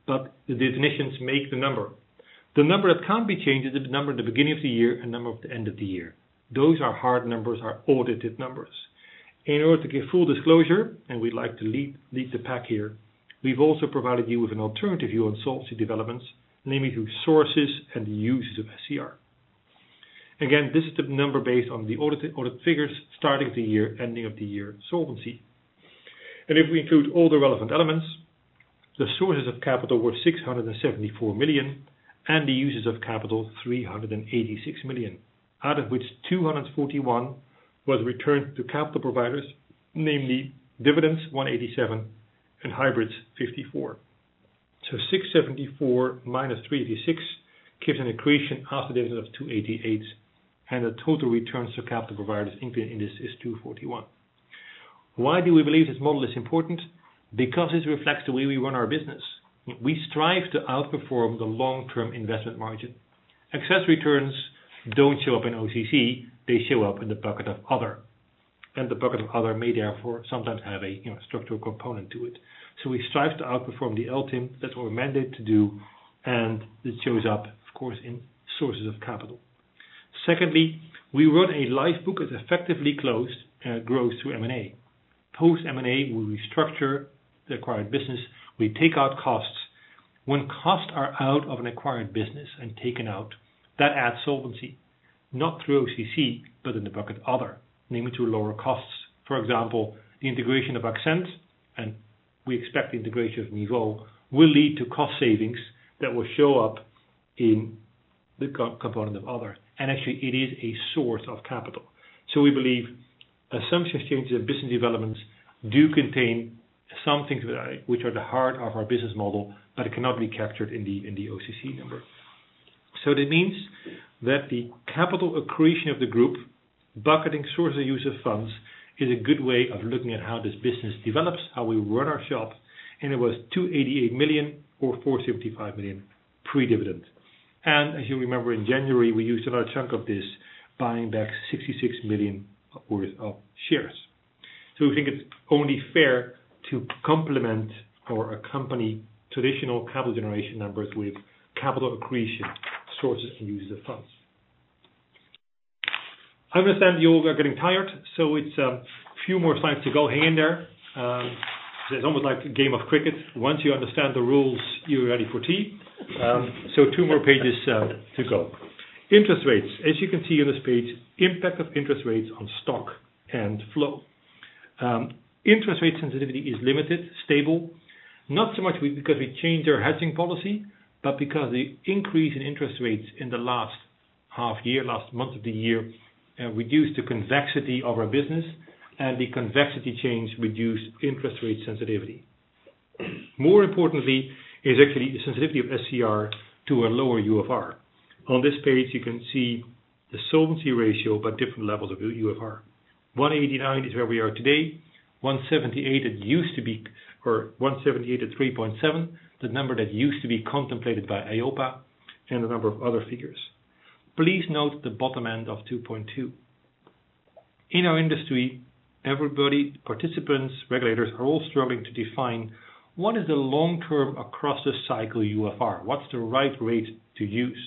Speaker 4: but the definitions make the number. The number that cannot be changed is the number at the beginning of the year and number of the end of the year. Those are hard numbers, are audited numbers. In order to give full disclosure, and we would like to lead the pack here, we have also provided you with an alternative view on solvency developments, namely through sources and the uses of SCR. Again, this is the number based on the audit figures starting of the year, ending of the year solvency. And if we include all the relevant elements, the sources of capital were 674 million and the uses of capital, 386 million, out of which 241 million was returned to capital providers, namely dividends 187 million and hybrids 54 million. So 674 million minus 386 million gives an accretion after dividend of 288 million, and the total returns to capital providers included in this is 241 million. Why do we believe this model is important? Because it reflects the way we run our business. We strive to outperform the long-term investment margin. Excess returns do not show up in OCC, they show up in the bucket of other. And the bucket of other may therefore sometimes have a structural component to it. So we strive to outperform the LTIM. That is what we are mandated to do, and it shows up, of course, in sources of capital. Secondly, we run a life book that effectively closed grows through M&A. Post M&A, we restructure the acquired business. We take out costs. When costs are out of an acquired business and taken out, that adds solvency, not through OCC, but in the bucket other, namely to lower costs. For example, the integration of AXENT, and we expect the integration of NIVO, will lead to cost savings that will show up in the component of other. And actually, it is a source of capital. We believe assumptions, changes of business developments do contain some things which are the heart of our business model, but it cannot be captured in the OCC number. That means that the capital accretion of the group bucketing source of use of funds is a good way of looking at how this business develops, how we run our shop, and it was 288 million or 475 million pre-dividend. As you remember, in January, we used another chunk of this, buying back 66 million worth of shares. We think it's only fair to complement or accompany traditional capital generation numbers with capital accretion sources and users of funds. I understand you all are getting tired, it's a few more slides to go. Hang in there. It's almost like a game of cricket. Once you understand the rules, you're ready for tea. Two more pages to go. Interest rates. As you can see on this page, impact of interest rates on stock and flow. Interest rate sensitivity is limited, stable, not so much because we changed our hedging policy, but because the increase in interest rates in the last half year, last month of the year, reduced the convexity of our business and the convexity change reduced interest rate sensitivity. More importantly is actually the sensitivity of SCR to a lower UFR. On this page, you can see the solvency ratio, but different levels of UFR. 189% is where we are today. 178%, it used to be or 178% at 3.7, the number that used to be contemplated by EIOPA and a number of other figures. Please note the bottom end of 2.2. In our industry, everybody, participants, regulators, are all struggling to define what is the long-term across the cycle UFR. What's the right rate to use?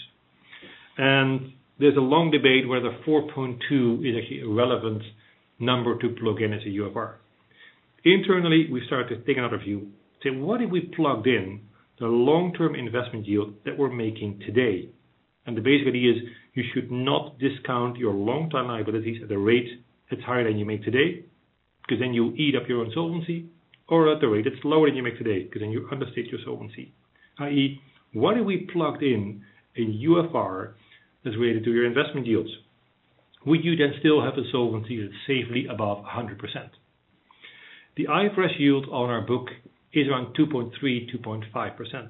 Speaker 4: There's a long debate whether 4.2 is actually a relevant number to plug in as a UFR. Internally, we started to take another view, say, what if we plugged in the long-term investment yield that we're making today? The basic idea is you should not discount your long-time liabilities at a rate that's higher than you make today, because then you eat up your own solvency, or at the rate that's lower than you make today, because then you understate your solvency, i.e., what if we plugged in a UFR that's related to your investment yields? Would you then still have a solvency that's safely above 100%? The IFRS yield on our book is around 2.3%-2.5%.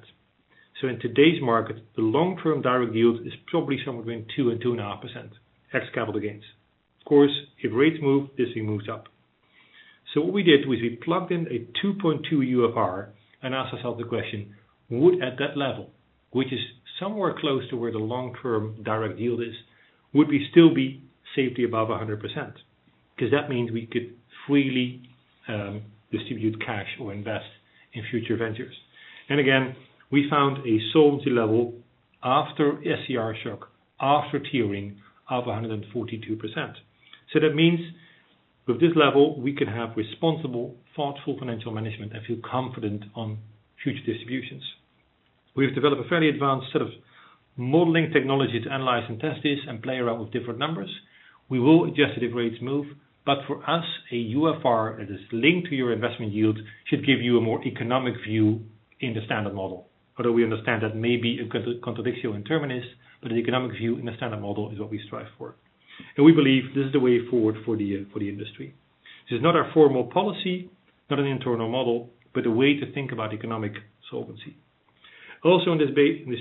Speaker 4: In today's market, the long-term direct yield is probably somewhere between 2%-2.5% ex capital gains. Of course, if rates move, this moves up. What we did was we plugged in a 2.2 UFR and asked ourself the question: would at that level, which is somewhere close to where the long-term direct yield is, would we still be safely above 100%? Because that means we could freely distribute cash or invest in future ventures. Again, we found a solvency level after SCR shock, after tiering, of 142%. That means with this level, we can have responsible, thoughtful financial management and feel confident on future distributions. We have developed a fairly advanced set of modeling technology to analyze and test this and play around with different numbers. We will adjust it if rates move, for us, a UFR that is linked to your investment yield should give you a more economic view in the standard model. Although we understand that may be a contradictio in terminis, the economic view in the standard model is what we strive for. We believe this is the way forward for the industry. This is not our formal policy, not an internal model, but a way to think about economic solvency. Also on this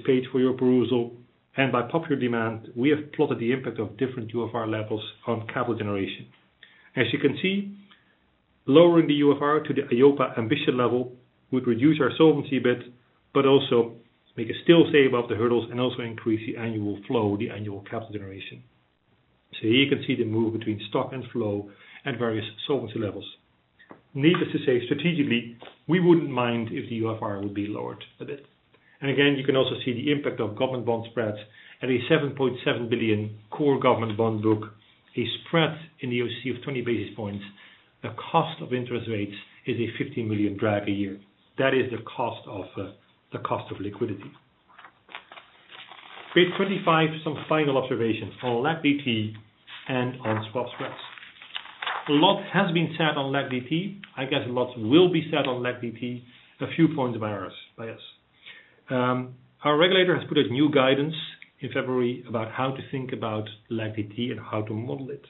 Speaker 4: page for your perusal, and by popular demand, we have plotted the impact of different UFR levels on capital generation. As you can see, lowering the UFR to the EIOPA ambition level would reduce our solvency a bit, but also make us still stay above the hurdles and also increase the annual flow, the annual capital generation. Here you can see the move between stock and flow at various solvency levels. Needless to say, strategically, we wouldn't mind if the UFR would be lowered a bit. Again, you can also see the impact of government bond spreads at a 7.7 billion core government bond book, a spread in the OCC of 20 basis points. The cost of interest rates is a 50 million drag a year. That is the cost of liquidity. Page 25, some final observations on LAC-DT and on swap spreads. A lot has been said on LAC-DT. I guess a lot will be said on LAC-DT. A few points by us. Our regulator has put out new guidance in February about how to think about LAC-DT and how to model it.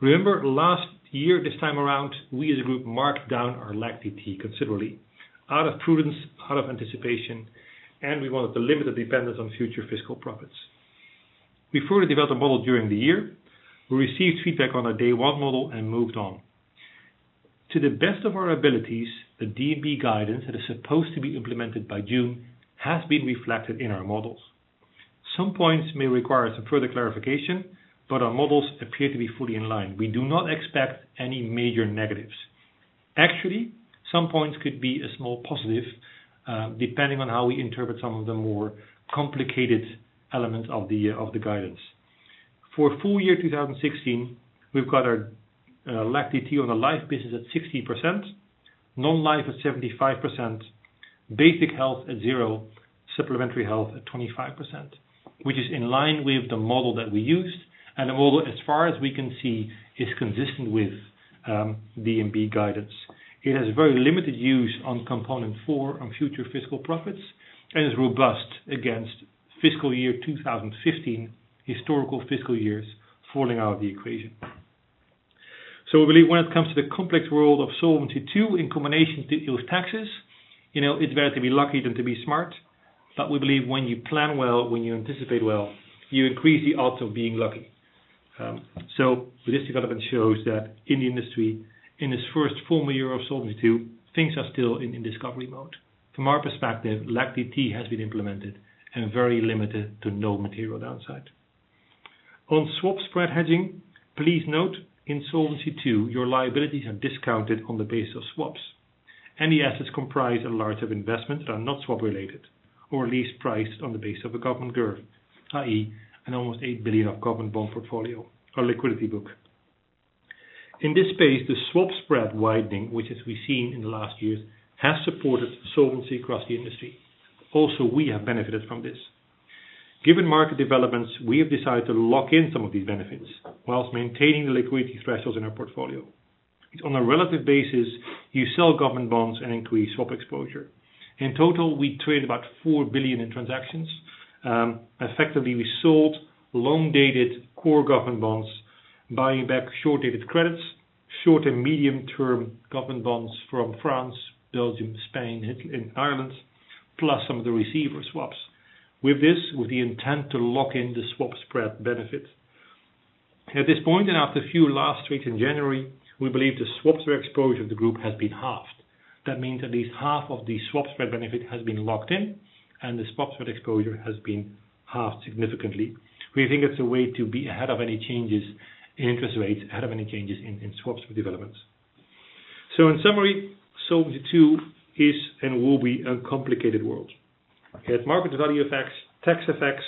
Speaker 4: Remember last year, this time around, we as a group marked down our LAC-DT considerably out of prudence, out of anticipation, and we wanted to limit the dependence on future fiscal profits. We further developed a model during the year. We received feedback on our day one model and moved on. To the best of our abilities, the DNB guidance that is supposed to be implemented by June has been reflected in our models. Some points may require some further clarification, but our models appear to be fully in line. We do not expect any major negatives. Actually, some points could be a small positive, depending on how we interpret some of the more complicated elements of the guidance. For full year 2016, we've got our LAC-DT on the life business at 60%, non-life at 75%, basic health at 0%, supplementary health at 25%, which is in line with the model that we used, and the model, as far as we can see, is consistent with DNB guidance. It has very limited use on component four on future fiscal profits and is robust against fiscal year 2015, historical fiscal years falling out of the equation. We believe when it comes to the complex world of Solvency II in combination with taxes, it's better to be lucky than to be smart. We believe when you plan well, when you anticipate well, you increase the odds of being lucky. This development shows that in the industry, in its first full year of Solvency II, things are still in discovery mode. From our perspective, LAC-DT has been implemented and very limited to no material downside. On swap spread hedging, please note in Solvency II, your liabilities are discounted on the base of swaps, and the assets comprise a large of investment that are not swap related or at least priced on the base of a government curve, i.e., an almost 8 billion of government bond portfolio or liquidity book. In this space, the swap spread widening, which as we have seen in the last years, has supported solvency across the industry. Also, we have benefited from this. Given market developments, we have decided to lock in some of these benefits while maintaining the liquidity thresholds in our portfolio. On a relative basis, you sell government bonds and increase swap exposure. In total, we trade about 4 billion in transactions. Effectively, we sold long-dated core government bonds, buying back short-dated credits, short and medium-term government bonds from France, Belgium, Spain, and Ireland, plus some of the receiver swaps. With this, with the intent to lock in the swap spread benefit. At this point, and after a few last weeks in January, we believe the swap spread exposure of the group has been halved. That means at least half of the swap spread benefit has been locked in, and the swap spread exposure has been halved significantly. We think it is a way to be ahead of any changes in interest rates, ahead of any changes in swaps developments. In summary, Solvency II is and will be a complicated world. It has market value effects, tax effects,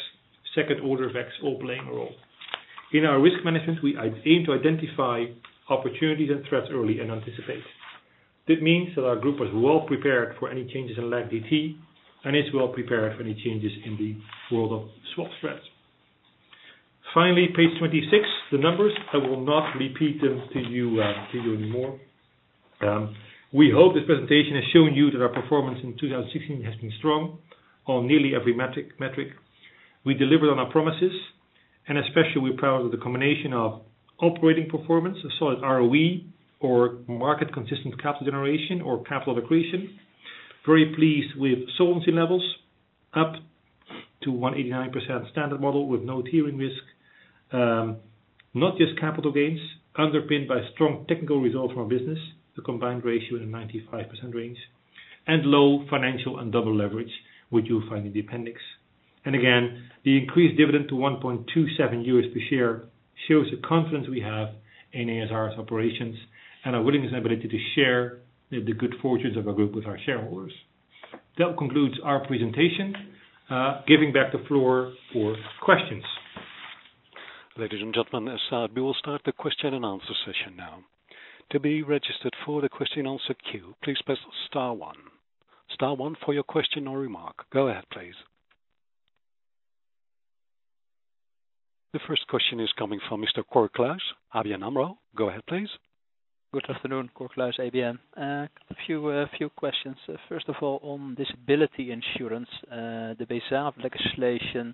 Speaker 4: second order effects all playing a role. In our risk management, we aim to identify opportunities and threats early and anticipate. This means that our group was well prepared for any changes in LAC-DT and is well prepared for any changes in the world of swap spreads. Finally, page 26, the numbers. I will not repeat them to you anymore. We hope this presentation has shown you that our performance in 2016 has been strong on nearly every metric. We delivered on our promises, and especially we're proud of the combination of operating performance, a solid ROE or market consistent capital generation or capital accretion. Very pleased with solvency levels up to 189% standard model with no tiering risk. Not just capital gains, underpinned by strong technical results from our business, the combined ratio in the 95% range, and low financial and double leverage, which you'll find in the appendix. Again, the increased dividend to 1.27 per share shows the confidence we have in ASR's operations and our willingness and ability to share the good fortunes of our group with our shareholders. That concludes our presentation, giving back the floor for questions.
Speaker 1: Ladies and gentlemen, we will start the question and answer session now. To be registered for the question and answer queue, please press star one. Star one for your question or remark. Go ahead, please. The first question is coming from Mr. Cor Kluis, ABN AMRO. Go ahead, please.
Speaker 5: Good afternoon, Cor Kluis, ABN. A few questions. First of all, on disability insurance, the legislation,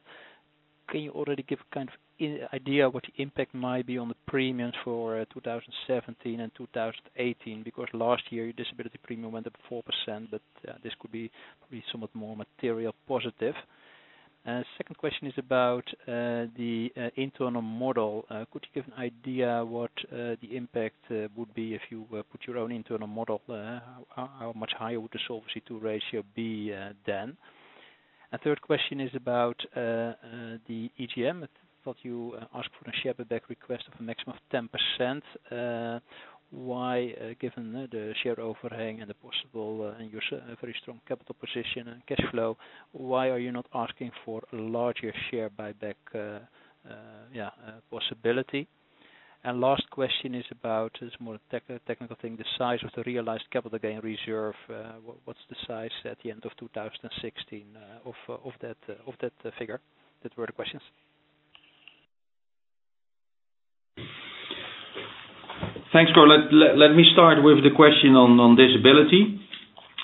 Speaker 5: can you already give a kind of idea what the impact might be on the premiums for 2017 and 2018? Because last year, your disability premium went up 4%, but this could be somewhat more material positive. Second question is about the internal model. Could you give an idea what the impact would be if you put your own internal model? How much higher would the Solvency II ratio be then? A third question is about the EGM. I thought you asked for a share buyback request of a maximum of 10%. Given the share overhang and your very strong capital position and cash flow, why are you not asking for a larger share buyback possibility? Last question is about, it's more a technical thing, the size of the realized capital gain reserve. What's the size at the end of 2016 of that figure? That were the questions.
Speaker 3: Thanks, Cor. Let me start with the question on disability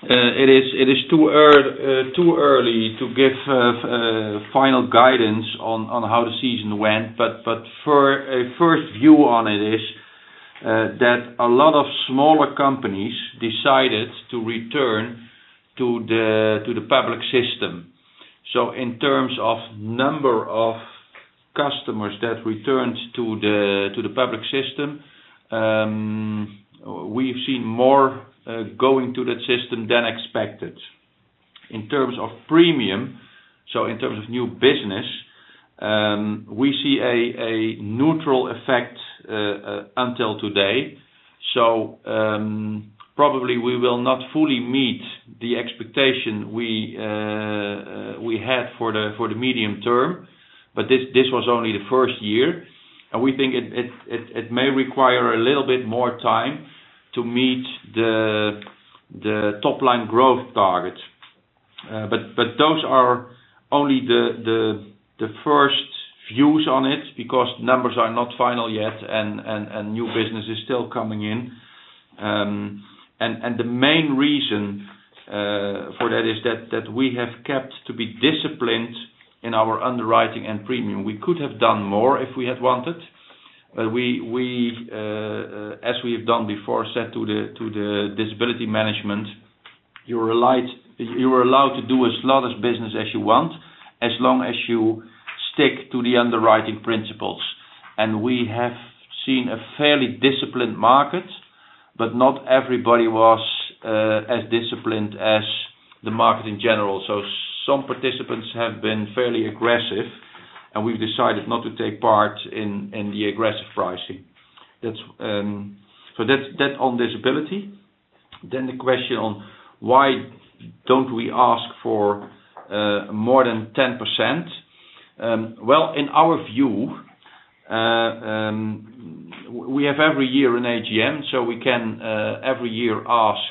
Speaker 3: It is too early to give final guidance on how the season went. A first view on it is that a lot of smaller companies decided to return to the public system. In terms of number of customers that returned to the public system, we've seen more going to that system than expected. In terms of premium, in terms of new business, we see a neutral effect until today. Probably we will not fully meet the expectation we had for the medium term. This was only the first year, and we think it may require a little bit more time to meet the top-line growth target. Those are only the first views on it, because numbers are not final yet, and new business is still coming in. The main reason for that is that we have kept to be disciplined in our underwriting and premium. We could have done more if we had wanted, as we have done before, said to the disability management, "You are allowed to do as much business as you want, as long as you stick to the underwriting principles." We have seen a fairly disciplined market, not everybody was as disciplined as the market in general. Some participants have been fairly aggressive, we've decided not to take part in the aggressive pricing. That's on disability. The question on why don't we ask for more than 10%. In our view, we have every year an AGM, we can every year ask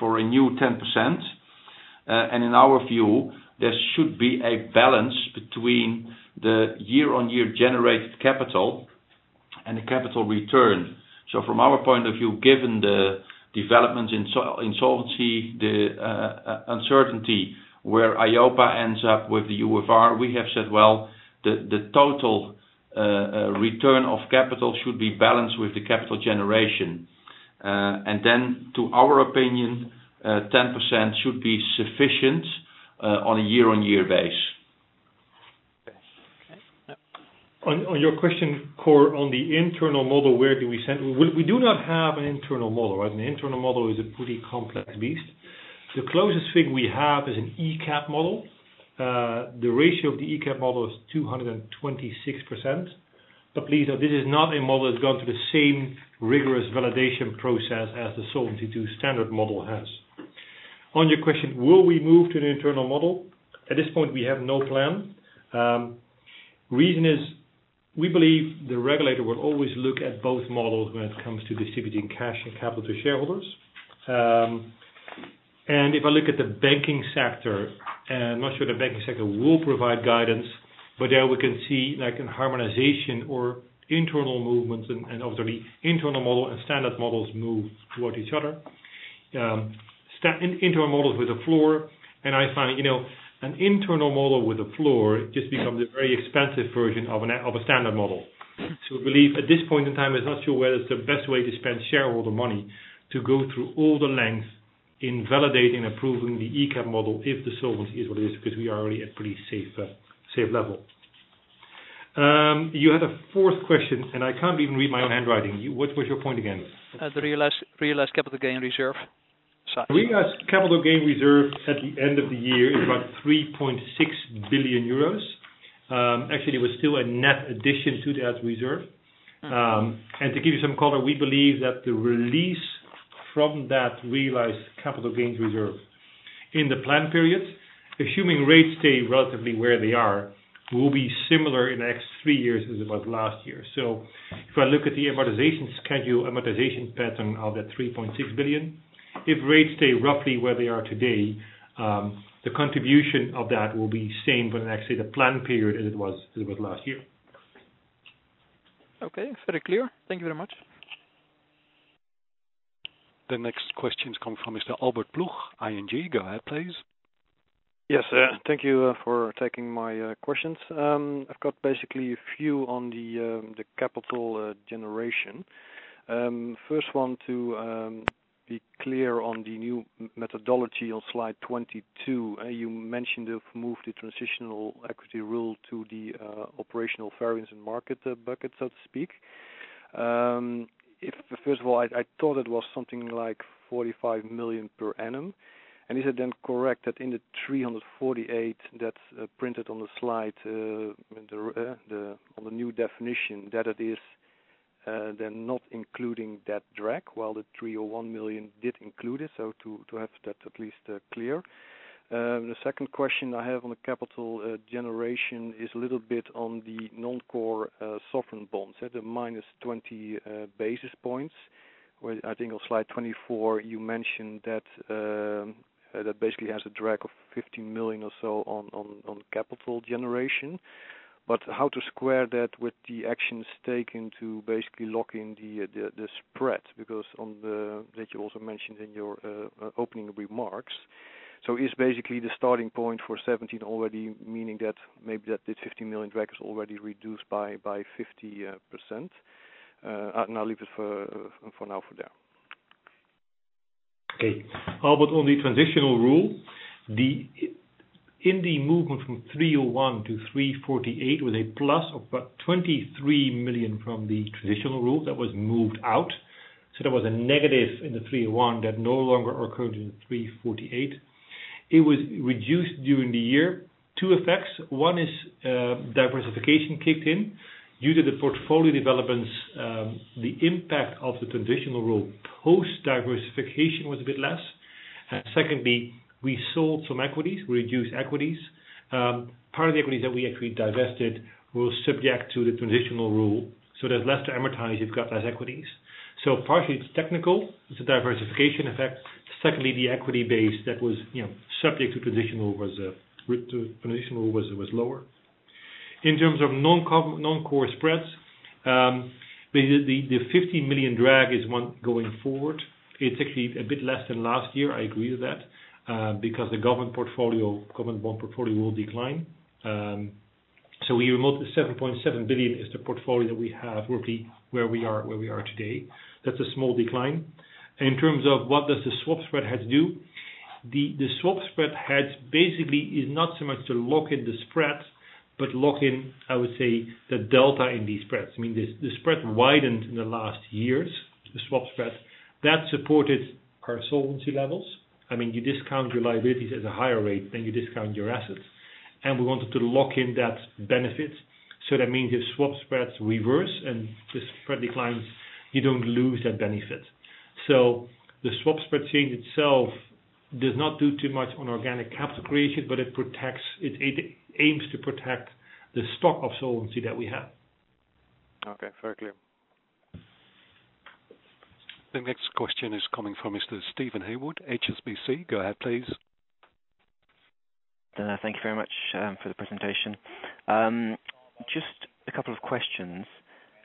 Speaker 3: for a new 10%. In our view, there should be a balance between the year-on-year generated capital and the capital return. From our point of view, given the developments in solvency, the uncertainty where EIOPA ends up with the UFR, we have said, the total return of capital should be balanced with the capital generation. To our opinion, 10% should be sufficient on a year-on-year base.
Speaker 1: Okay.
Speaker 4: On your question, Cor, on the internal model, where do we stand? We do not have an internal model. An internal model is a pretty complex beast. The closest thing we have is an ECAP model. The ratio of the ECAP model is 226%. Please note, this is not a model that's gone through the same rigorous validation process as the Solvency II standard model has. On your question, will we move to an internal model? At this point, we have no plan. Reason is, we believe the regulator will always look at both models when it comes to distributing cash and capital to shareholders. If I look at the banking sector, I'm not sure the banking sector will provide guidance, there we can see like a harmonization or internal movements and obviously internal model and standard models move towards each other. Internal models with a floor, I find an internal model with a floor just becomes a very expensive version of a standard model. We believe at this point in time, it is not sure whether it is the best way to spend shareholder money to go through all the lengths in validating and approving the ECAP model if the solvency is what it is, because we are already at pretty safe level. You had a fourth question, I cannot even read my own handwriting. What was your point again?
Speaker 1: The realized capital gain reserve.
Speaker 4: Realized capital gain reserve at the end of the year is about 3.6 billion euros. Actually, it was still a net addition to that reserve. To give you some color, we believe that the release from that realized capital gains reserve in the plan period, assuming rates stay relatively where they are, will be similar in the next three years as it was last year. If I look at the amortization schedule, amortization pattern of that 3.6 billion, if rates stay roughly where they are today, the contribution of that will be same when actually the plan period as it was last year.
Speaker 1: Okay. Very clear. Thank you very much. The next questions come from Mr. Albert Ploegh, ING. Go ahead, please.
Speaker 6: Yes. Thank you for taking my questions. I've got basically a few on the capital generation. First one to be clear on the new methodology on slide 22. You mentioned you've moved the transitional equity rule to the operational variance and market bucket, so to speak. First of all, I thought it was something like 45 million per annum. Is it then correct that in the 348 that's printed on the slide, on the new definition, that it is then not including that drag, while the 301 million did include it, so to have that at least clear. The second question I have on the capital generation is a little bit on the non-core sovereign bonds at the minus 20 basis points. I think on slide 24, you mentioned that basically has a drag of 15 million or so on capital generation. How to square that with the actions taken to basically lock in the spread, because that you also mentioned in your opening remarks. Is basically the starting point for 2017 already meaning that maybe that the 15 million drag is already reduced by 50%? I'll leave it for now for there.
Speaker 4: Okay. Albert, on the transitional rule, in the movement from 301 to 348 with a plus of about 23 million from the transitional rule, that was moved out. There was a negative in the 301 that no longer occurred in the 348. It was reduced during the year. Two effects. One is diversification kicked in. Due to the portfolio developments, the impact of the transitional rule post-diversification was a bit less. Secondly, we sold some equities. We reduced equities. Part of the equities that we actually divested were subject to the transitional rule. There's less to amortize, you've got less equities. Partly it's technical. It's a diversification effect. Secondly, the equity base that was subject to transitional was lower. In terms of non-core spreads, the 15 million drag is one going forward. It's actually a bit less than last year, I agree with that, because the government bond portfolio will decline. Remotely, 7.7 billion is the portfolio that we have roughly where we are today. That's a small decline. In terms of what does the swap spread hedge do, the swap spread hedge basically is not so much to lock in the spread, but lock in, I would say, the delta in these spreads. I mean, the spread widened in the last years, the swap spread. That supported our solvency levels. I mean, you discount your liabilities at a higher rate than you discount your assets. We wanted to lock in that benefit. That means if swap spreads reverse and the spread declines, you don't lose that benefit. The swap spread change itself does not do too much on organic capital creation, but it aims to protect the stock of solvency that we have.
Speaker 6: Very clear.
Speaker 1: The next question is coming from Mr. Steven Haywood, HSBC. Go ahead, please.
Speaker 7: Thank you very much for the presentation. Just a couple of questions.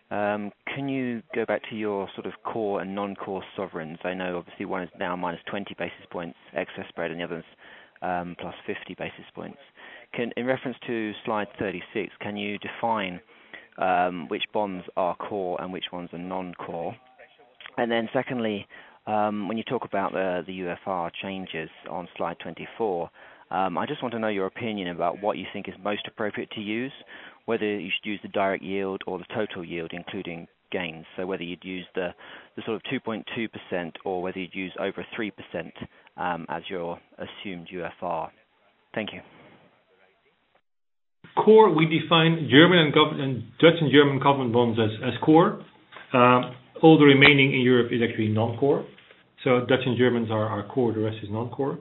Speaker 7: Can you go back to your core and non-core sovereigns? I know obviously one is now minus 20 basis points excess spread, and the other is plus 50 basis points. In reference to slide 36, can you define which bonds are core and which ones are non-core? Secondly, when you talk about the UFR changes on slide 24, I just want to know your opinion about what you think is most appropriate to use, whether you should use the direct yield or the total yield, including gains. Whether you'd use the 2.2% or whether you'd use over 3% as your assumed UFR. Thank you.
Speaker 4: Core, we define Dutch and German government bonds as core. All the remaining in Europe is actually non-core. Dutch and Germans are our core, the rest is non-core.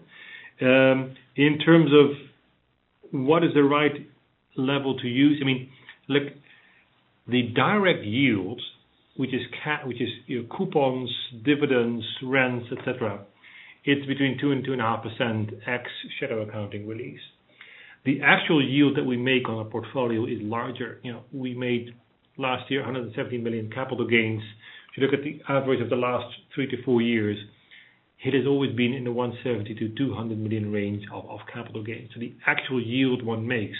Speaker 4: In terms of what is the right level to use, the direct yields, which is coupons, dividends, rents, et cetera, it's between 2%-2.5% ex-shadow accounting release. The actual yield that we make on a portfolio is larger. We made last year, 170 million capital gains. If you look at the average of the last three to four years, it has always been in the 170 million-200 million range of capital gains. The actual yield one makes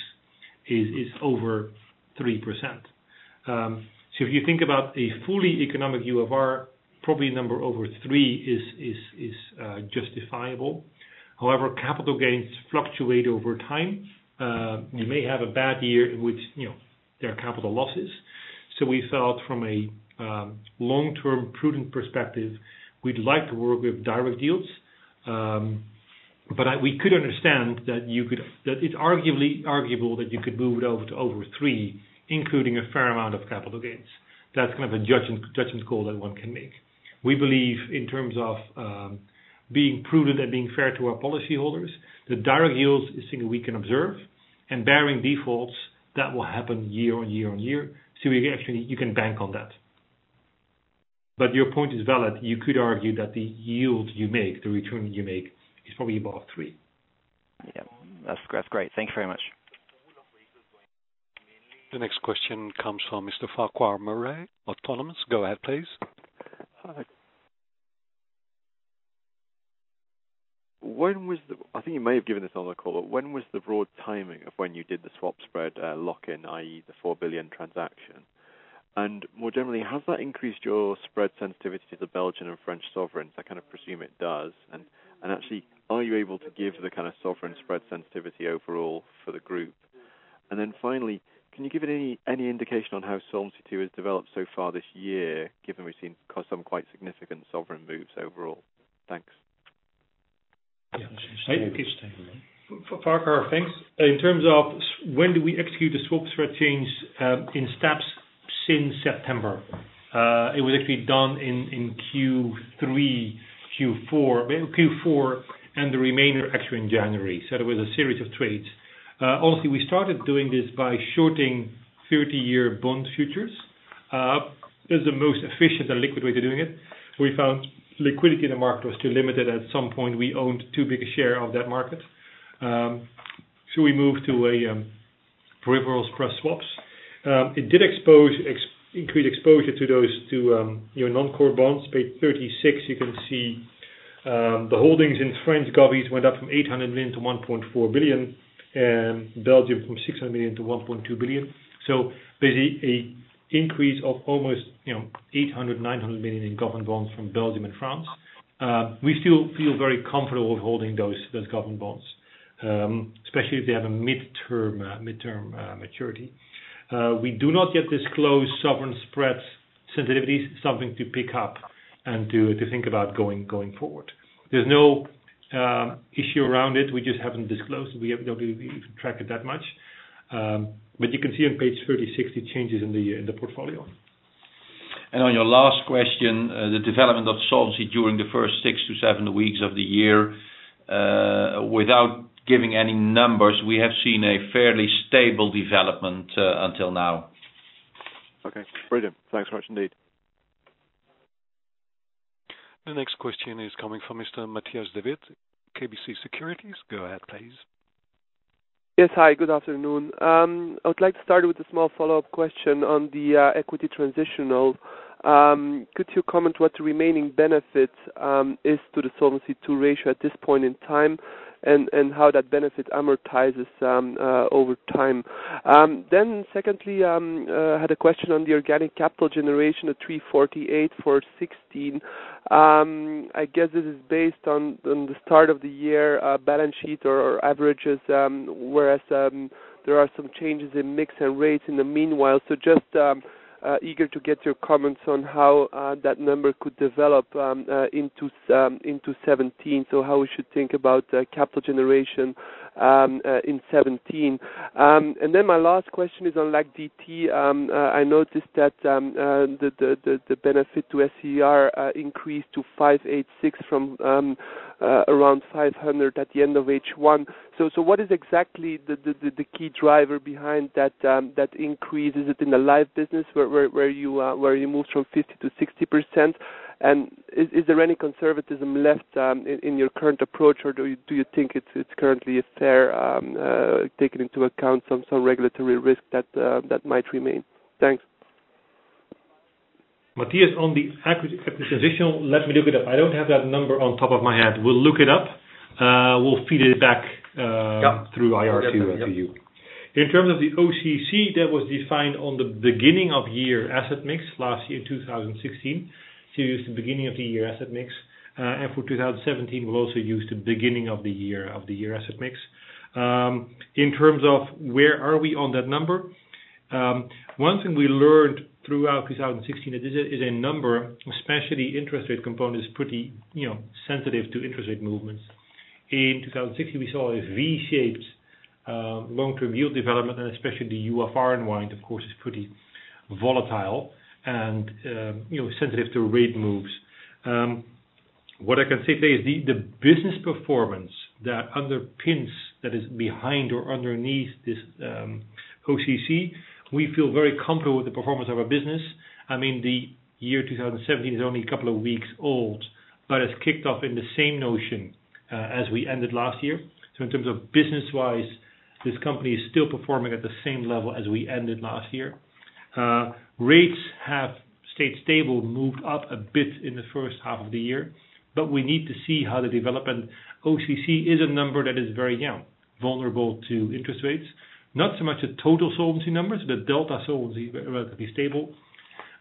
Speaker 4: is over 3%. If you think about a fully economic UFR, probably a number over 3% is justifiable. However, capital gains fluctuate over time. You may have a bad year in which there are capital losses. We felt from a long-term prudent perspective, we'd like to work with direct yields. We could understand that it's arguable that you could move it over to over 3%, including a fair amount of capital gains. That's a judgment call that one can make. We believe in terms of being prudent and being fair to our policyholders, the direct yields is something we can observe, and barring defaults, that will happen year on year on year. Actually, you can bank on that. Your point is valid. You could argue that the yield you make, the return you make, is probably above 3%.
Speaker 7: Yeah. That's great. Thank you very much.
Speaker 1: The next question comes from Mr. Farquhar Murray, Autonomous. Go ahead, please.
Speaker 8: Hi. I think you may have given this on the call, but when was the broad timing of when you did the swap spread lock-in, i.e. the 4 billion transaction? More generally, has that increased your spread sensitivity to Belgian and French sovereigns? I presume it does. Actually, are you able to give the kind of sovereign spread sensitivity overall for the group? Then finally, can you give any indication on how Solvency II has developed so far this year, given we've seen some quite significant sovereign moves overall? Thanks.
Speaker 4: Farquhar, thanks. In terms of when did we execute the swap spread change, in steps since September. It was actually done in Q3, Q4, and the remainder actually in January. It was a series of trades. Honestly, we started doing this by shorting 30-year bond futures. It's the most efficient and liquid way to doing it. We found liquidity in the market was too limited. At some point, we owned too big a share of that market. We moved to peripherals cross swaps. It did increase exposure to those non-core bonds. Page 36, you can see the holdings in French govies went up from 800 million to 1.4 billion, Belgium from 600 million to 1.2 billion. There's an increase of almost 800 million-900 million in government bonds from Belgium and France. We still feel very comfortable with holding those government bonds, especially if they have a midterm maturity. We do not yet disclose sovereign spreads sensitivities, something to pick up and to think about going forward. There's no issue around it. We just haven't disclosed it. We don't really track it that much. You can see on page 36 the changes in the portfolio.
Speaker 3: On your last question, the development of solvency during the first six to seven weeks of the year, without giving any numbers, we have seen a fairly stable development until now.
Speaker 8: Okay, brilliant. Thanks very much indeed.
Speaker 1: The next question is coming from Mr. Matthias De Wit, KBC Securities. Go ahead, please.
Speaker 9: Yes. Hi, good afternoon. I would like to start with a small follow-up question on the equity transitional. Could you comment what the remaining benefit is to the Solvency II ratio at this point in time, and how that benefit amortizes over time? Secondly, I had a question on the organic capital generation of 348 for 2016. I guess this is based on the start-of-the-year balance sheet or averages, whereas there are some changes in mix and rates in the meanwhile. Just eager to get your comments on how that number could develop into 2017, how we should think about capital generation in 2017. My last question is on LAC-DT. I noticed that the benefit to SCR increased to 586 from around 500 at the end of H1. What is exactly the key driver behind that increase? Is it in the life business where you moved from 50% to 60%? Is there any conservatism left in your current approach, or do you think it's currently a fair, taking into account some regulatory risk that might remain? Thanks.
Speaker 4: Matthias, on the equity transitional, let me look it up. I don't have that number on top of my head. We'll look it up. We'll feed it back
Speaker 9: Yeah
Speaker 4: through IR to you. In terms of the OCC, that was defined on the beginning of year asset mix last year, 2016. Used the beginning of the year asset mix. For 2017, we'll also use the beginning of the year asset mix. In terms of where are we on that number, one thing we learned throughout 2016, it is a number, especially interest rate component, is pretty sensitive to interest rate movements. In 2016, we saw a V-shaped long-term yield development, and especially the UFR unwind, of course, is pretty volatile and sensitive to rate moves. What I can say today is the business performance that underpins, that is behind or underneath this OCC, we feel very comfortable with the performance of our business. I mean, the year 2017 is only a couple of weeks old, but it's kicked off in the same notion as we ended last year. In terms of business-wise, this company is still performing at the same level as we ended last year. Rates have stayed stable, moved up a bit in the first half of the year, but we need to see how they develop, and OCC is a number that is very vulnerable to interest rates. Not so much the total solvency numbers, the delta solvency is relatively stable.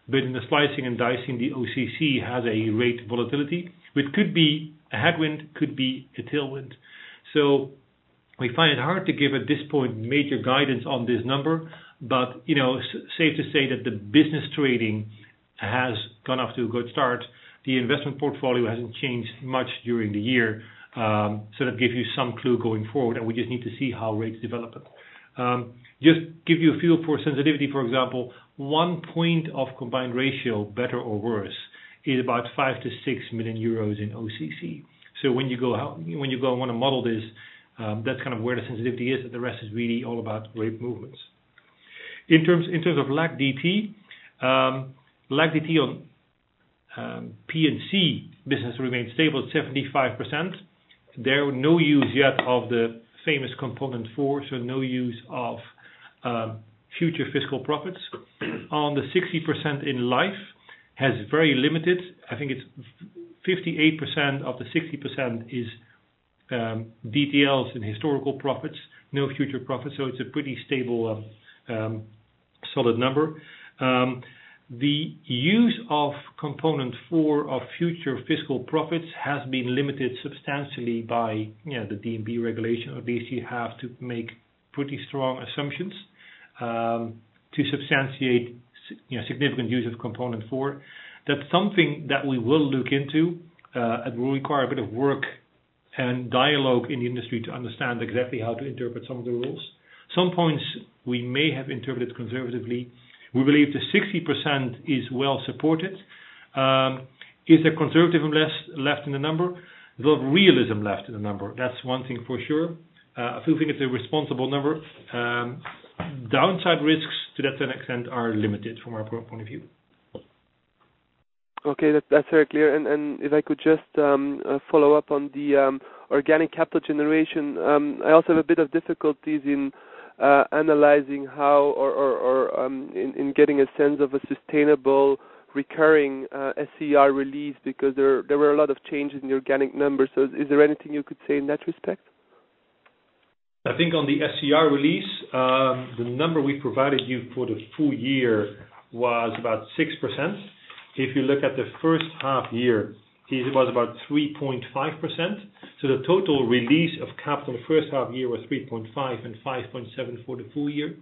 Speaker 4: In the slicing and dicing, the OCC has a rate volatility, which could be a headwind, could be a tailwind. We find it hard to give, at this point, major guidance on this number. Safe to say that the business trading has gone off to a good start. The investment portfolio hasn't changed much during the year. That gives you some clue going forward, and we just need to see how rates develop. Just give you a feel for sensitivity, for example, one point of combined ratio, better or worse, is about 5 million-6 million euros in OCC. When you go and want to model this, that's kind of where the sensitivity is, and the rest is really all about rate movements. In terms of LAC DT. LAC DT on P&C business remains stable at 75%. There are no use yet of the famous component 4, no use of future fiscal profits. On the 60% in life, has very limited, I think it's 58% of the 60% is DTLs and historical profits, no future profits. It's a pretty stable, solid number. The use of component four of future fiscal profits has been limited substantially by the DNB regulation. Obviously, you have to make pretty strong assumptions to substantiate significant use of component four. That's something that we will look into. It will require a bit of work and dialogue in the industry to understand exactly how to interpret some of the rules. Some points we may have interpreted conservatively. We believe the 60% is well supported. Is there conservatism left in the number? There's realism left in the number, that's one thing for sure. I still think it's a responsible number. Downside risks to that extent are limited from our point of view.
Speaker 9: Okay. That's very clear. If I could just follow up on the organic capital generation, I also have a bit of difficulties in analyzing how or in getting a sense of a sustainable recurring SCR release because there were a lot of changes in the organic numbers. Is there anything you could say in that respect?
Speaker 4: I think on the SCR release, the number we provided you for the full year was about 6%. If you look at the first half year, it was about 3.5%. The total release of capital the first half year was 3.5% and 5.7% for the full year.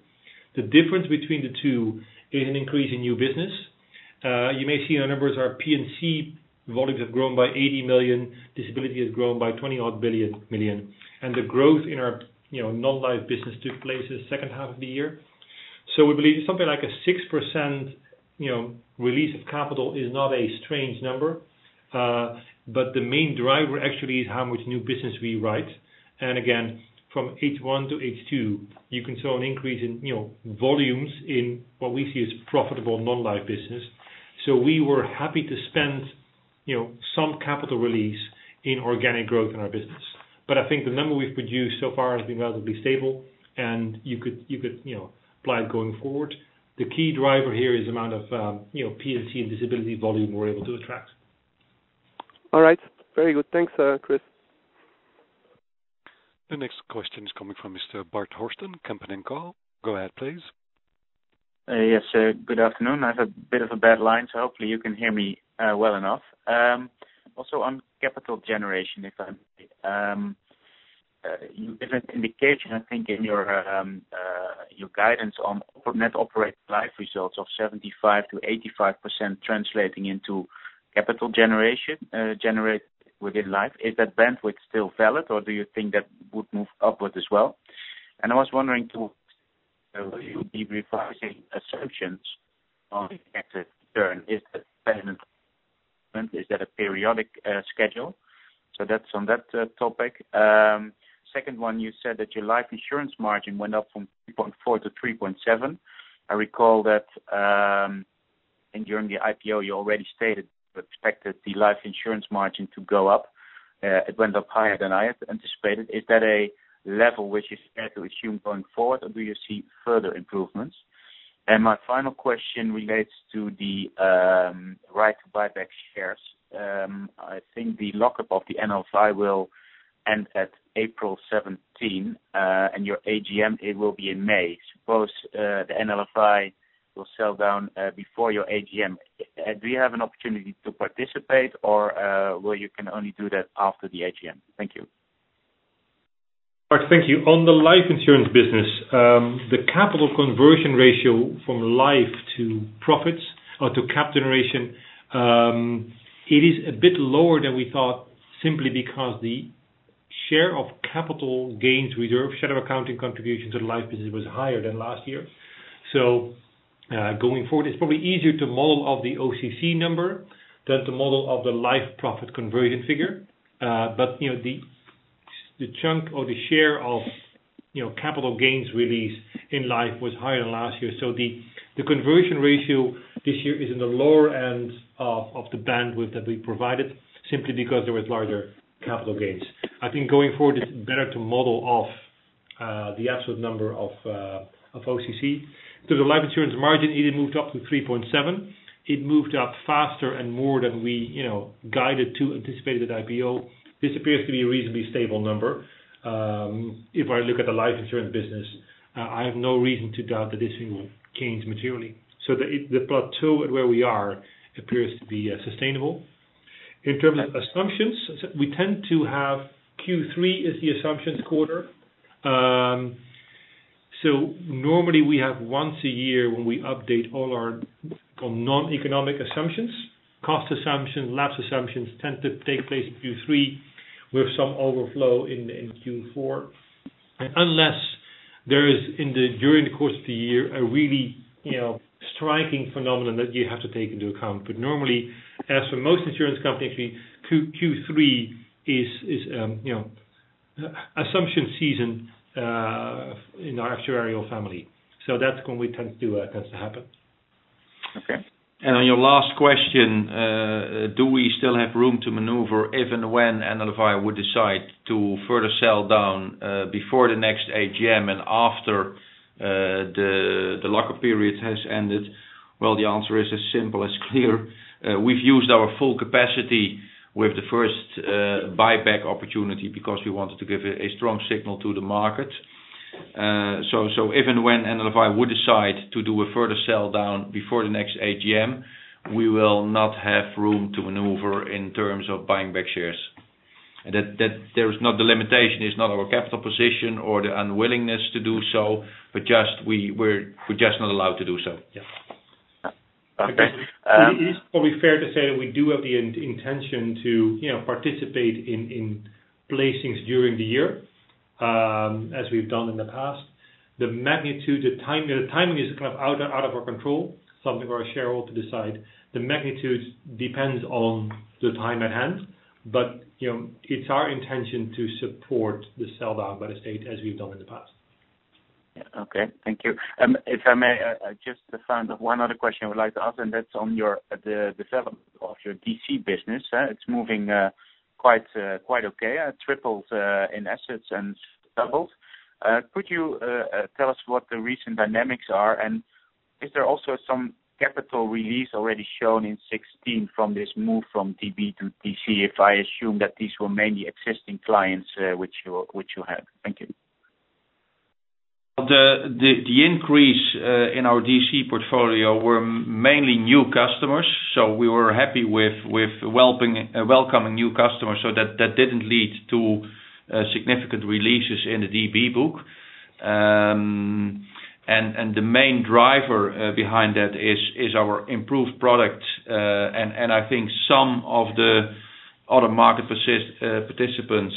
Speaker 4: The difference between the two is an increase in new business. You may see our numbers, our P&C volumes have grown by 80 million, disability has grown by 20 odd billion million. The growth in our non-life business took place in the second half of the year. We believe something like a 6% release of capital is not a strange number. The main driver actually is how much new business we write. Again, from H1 to H2, you can show an increase in volumes in what we see as profitable non-life business. We were happy to spend some capital release in organic growth in our business. I think the number we've produced so far has been relatively stable, and you could apply it going forward. The key driver here is the amount of P&C and disability volume we're able to attract.
Speaker 9: All right. Very good. Thanks, Chris.
Speaker 1: The next question is coming from Mr. Bart Horsten, Kempen & Co. Go ahead, please.
Speaker 10: Yes, good afternoon. I have a bit of a bad line, so hopefully you can hear me well enough. Also on capital generation, if I may. You gave an indication, I think, in your guidance on net operating life results of 75%-85% translating into capital generated within life. Is that bandwidth still valid or do you think that would move upward as well? I was wondering, too, will you be revising assumptions on exit turn? Is that permanent? Is that a periodic schedule? That's on that topic. Second one, you said that your life insurance margin went up from 3.4% to 3.7%. I recall that during the IPO, you already stated you expected the life insurance margin to go up. It went up higher than I had anticipated. Is that a level which you expect to assume going forward, or do you see further improvements? My final question relates to the right to buy back shares. I think the lock-up of the NLFI will end at April 17, and your AGM, it will be in May. Suppose the NLFI will sell down before your AGM. Do you have an opportunity to participate or will you can only do that after the AGM? Thank you.
Speaker 4: Bart, thank you. On the life insurance business, the capital conversion ratio from life to profits or to cap generation, it is a bit lower than we thought, simply because the share of capital gains reserve, shadow accounting contributions to the life business was higher than last year. Going forward, it's probably easier to model of the OCC number than to model of the life profit conversion figure. The chunk or the share of capital gains release in life was higher than last year. The conversion ratio this year is in the lower end of the bandwidth that we provided, simply because there was larger capital gains. I think going forward, it's better to model off the absolute number of OCC. To the life insurance margin, it had moved up to 3.7%. It moved up faster and more than we guided to anticipate at IPO. This appears to be a reasonably stable number. If I look at the life insurance business, I have no reason to doubt that this thing will change materially. The plateau at where we are appears to be sustainable. In terms of assumptions, we tend to have Q3 as the assumptions quarter. Normally we have once a year when we update all our non-economic assumptions. Cost assumptions, lapse assumptions tend to take place in Q3 with some overflow in Q4. Unless there is during the course of the year, a really striking phenomenon that you have to take into account. Normally, as for most insurance companies, Q3 is assumption season in our actuarial family. That's when we tend to happen.
Speaker 10: Okay.
Speaker 3: On your last question, do we still have room to maneuver if and when NLFI would decide to further sell down before the next AGM and after the lock-up period has ended? The answer is as simple as clear. We've used our full capacity with the first buyback opportunity because we wanted to give a strong signal to the market. If and when NLFI would decide to do a further sell down before the next AGM, we will not have room to maneuver in terms of buying back shares. The limitation is not our capital position or the unwillingness to do so, but just we're just not allowed to do so.
Speaker 10: Okay.
Speaker 4: It is probably fair to say that we do have the intention to participate in placings during the year, as we've done in the past. The magnitude of timing is out of our control, something for our shareholder to decide. The magnitude depends on the time at hand, but it's our intention to support the sell-down by the State as we've done in the past.
Speaker 10: Okay. Thank you. If I may, I just found one other question I would like to ask, that's on the development of your DC business. It's moving quite okay. Tripled in assets and doubled. Could you tell us what the recent dynamics are? Is there also some capital release already shown in 2016 from this move from DB to DC, if I assume that these were mainly existing clients which you have? Thank you.
Speaker 4: The increase in our DC portfolio were mainly new customers. We were happy with welcoming new customers. That didn't lead to significant releases in the DB book. The main driver behind that is our improved product. I think some of the other market participants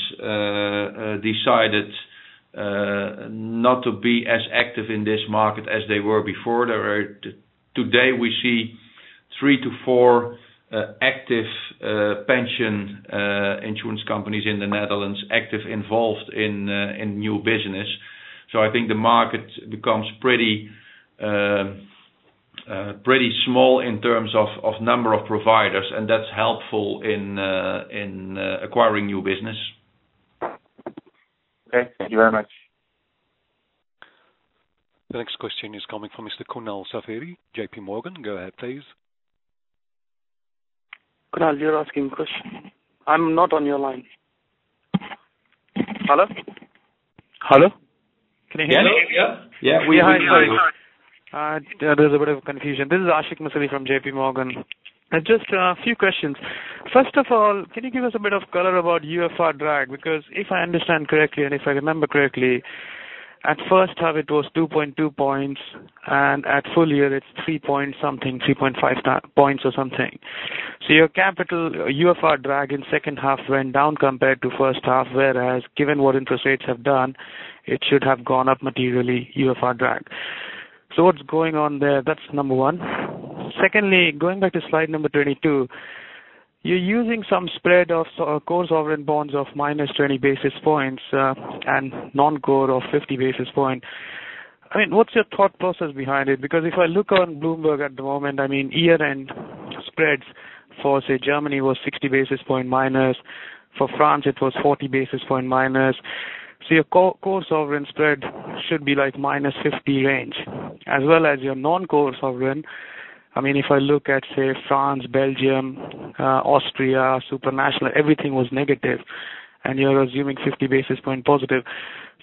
Speaker 4: decided not to be as active in this market as they were before. Today, we see three to four active pension insurance companies in the Netherlands actively involved in new business. I think the market becomes pretty small in terms of number of providers. That's helpful in acquiring new business.
Speaker 10: Okay. Thank you very much.
Speaker 1: The next question is coming from Mr. Kunal Sawhney, JP Morgan. Go ahead, please.
Speaker 11: Kunal, you are asking question. I am not on your line.
Speaker 12: Hello? Hello. Can you hear me?
Speaker 4: Yeah.
Speaker 12: We are. Sorry. There is a bit of confusion. This is Ashik Musaddi from JP Morgan. Just a few questions. First of all, can you give us a bit of color about UFR drag? If I understand correctly, and if I remember correctly, at first half, it was 2.2 points, and at full year, it is three-point something, 3.5 points or something. Your capital UFR drag in second half went down compared to first half, whereas given what interest rates have done, it should have gone up materially, UFR drag. What is going on there? That is number one. Secondly, going back to slide number 22, you are using some spread of core sovereign bonds of -20 basis points and non-core of 50 basis points. What is your thought process behind it? If I look on Bloomberg at the moment, year-end spreads for, say, Germany was 60 basis points minus, for France, it was 40 basis points minus. Your core sovereign spread should be like -50 range, as well as your non-core sovereign. If I look at, say France, Belgium, Austria, supranational, everything was negative, and you are assuming 50 basis points positive.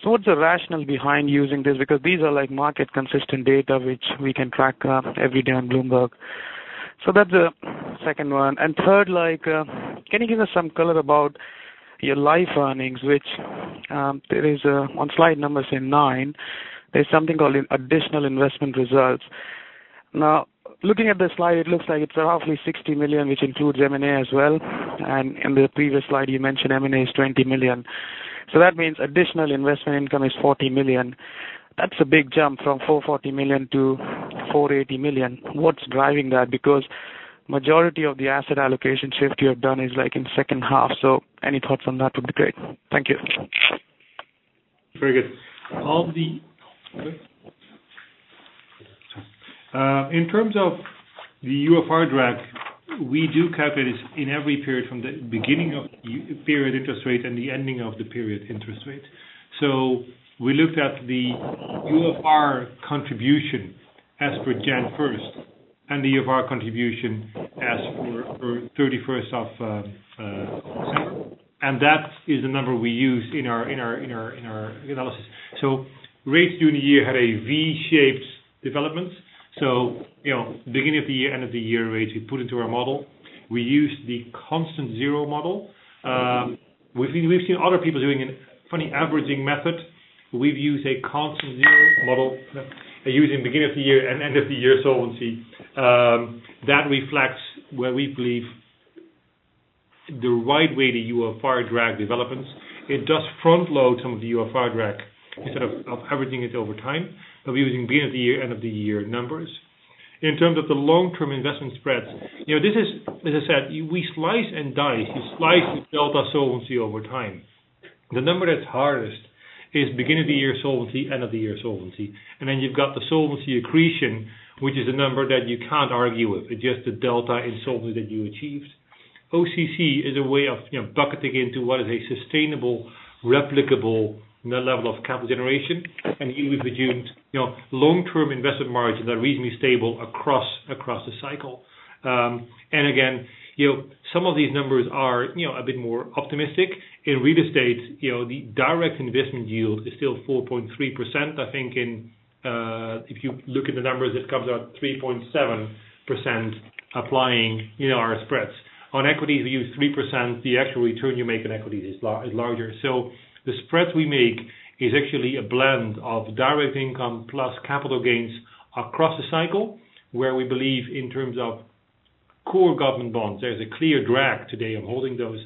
Speaker 12: What is the rationale behind using this? These are market consistent data which we can track every day on Bloomberg. That is the second one. Third, can you give us some color about your life earnings, which there is on slide number nine, there is something called additional investment results. Looking at the slide, it looks like it is roughly 60 million, which includes M&A as well. In the previous slide, you mentioned M&A is 20 million. That means additional investment income is 40 million. That is a big jump from 440 million to 480 million. What is driving that? Majority of the asset allocation shift you have done is in second half, any thoughts on that would be great. Thank you.
Speaker 4: Very good. In terms of the UFR drag, we do calculate in every period from the beginning of the period interest rate and the ending of the period interest rate. We looked at the UFR contribution as per January 1st and the UFR contribution as for 31st of December. That is the number we use in our analysis. Rates during the year had a V-shaped development. Beginning of the year, end of the year rates we put into our model. We have seen other people doing a funny averaging method. We have used a constant zero model using beginning of the year and end of the year solvency. That reflects where we believe the right way the UFR drag develops. It does front load some of the UFR drag instead of averaging it over time, of using beginning of the year, end of the year numbers. In terms of the long-term investment spreads, as I said, we slice and dice. We slice the delta solvency over time. The number that is hardest is beginning of the year solvency, end of the year solvency. Then you have got the solvency accretion, which is a number that you cannot argue with. It is just the delta in solvency that you achieved. OCC is a way of bucketing into what is a sustainable, replicable level of capital generation. Here we have assumed long-term investment margins are reasonably stable across the cycle. Again, some of these numbers are a bit more optimistic. In real estate, the direct investment yield is still 4.3%. I think if you look at the numbers, it comes out 3.7% applying our spreads. On equities, we use 3%. The actual return you make on equities is larger. The spreads we make is actually a blend of direct income plus capital gains across the cycle, where we believe in terms of Core government bonds. There is a clear drag today on holding those.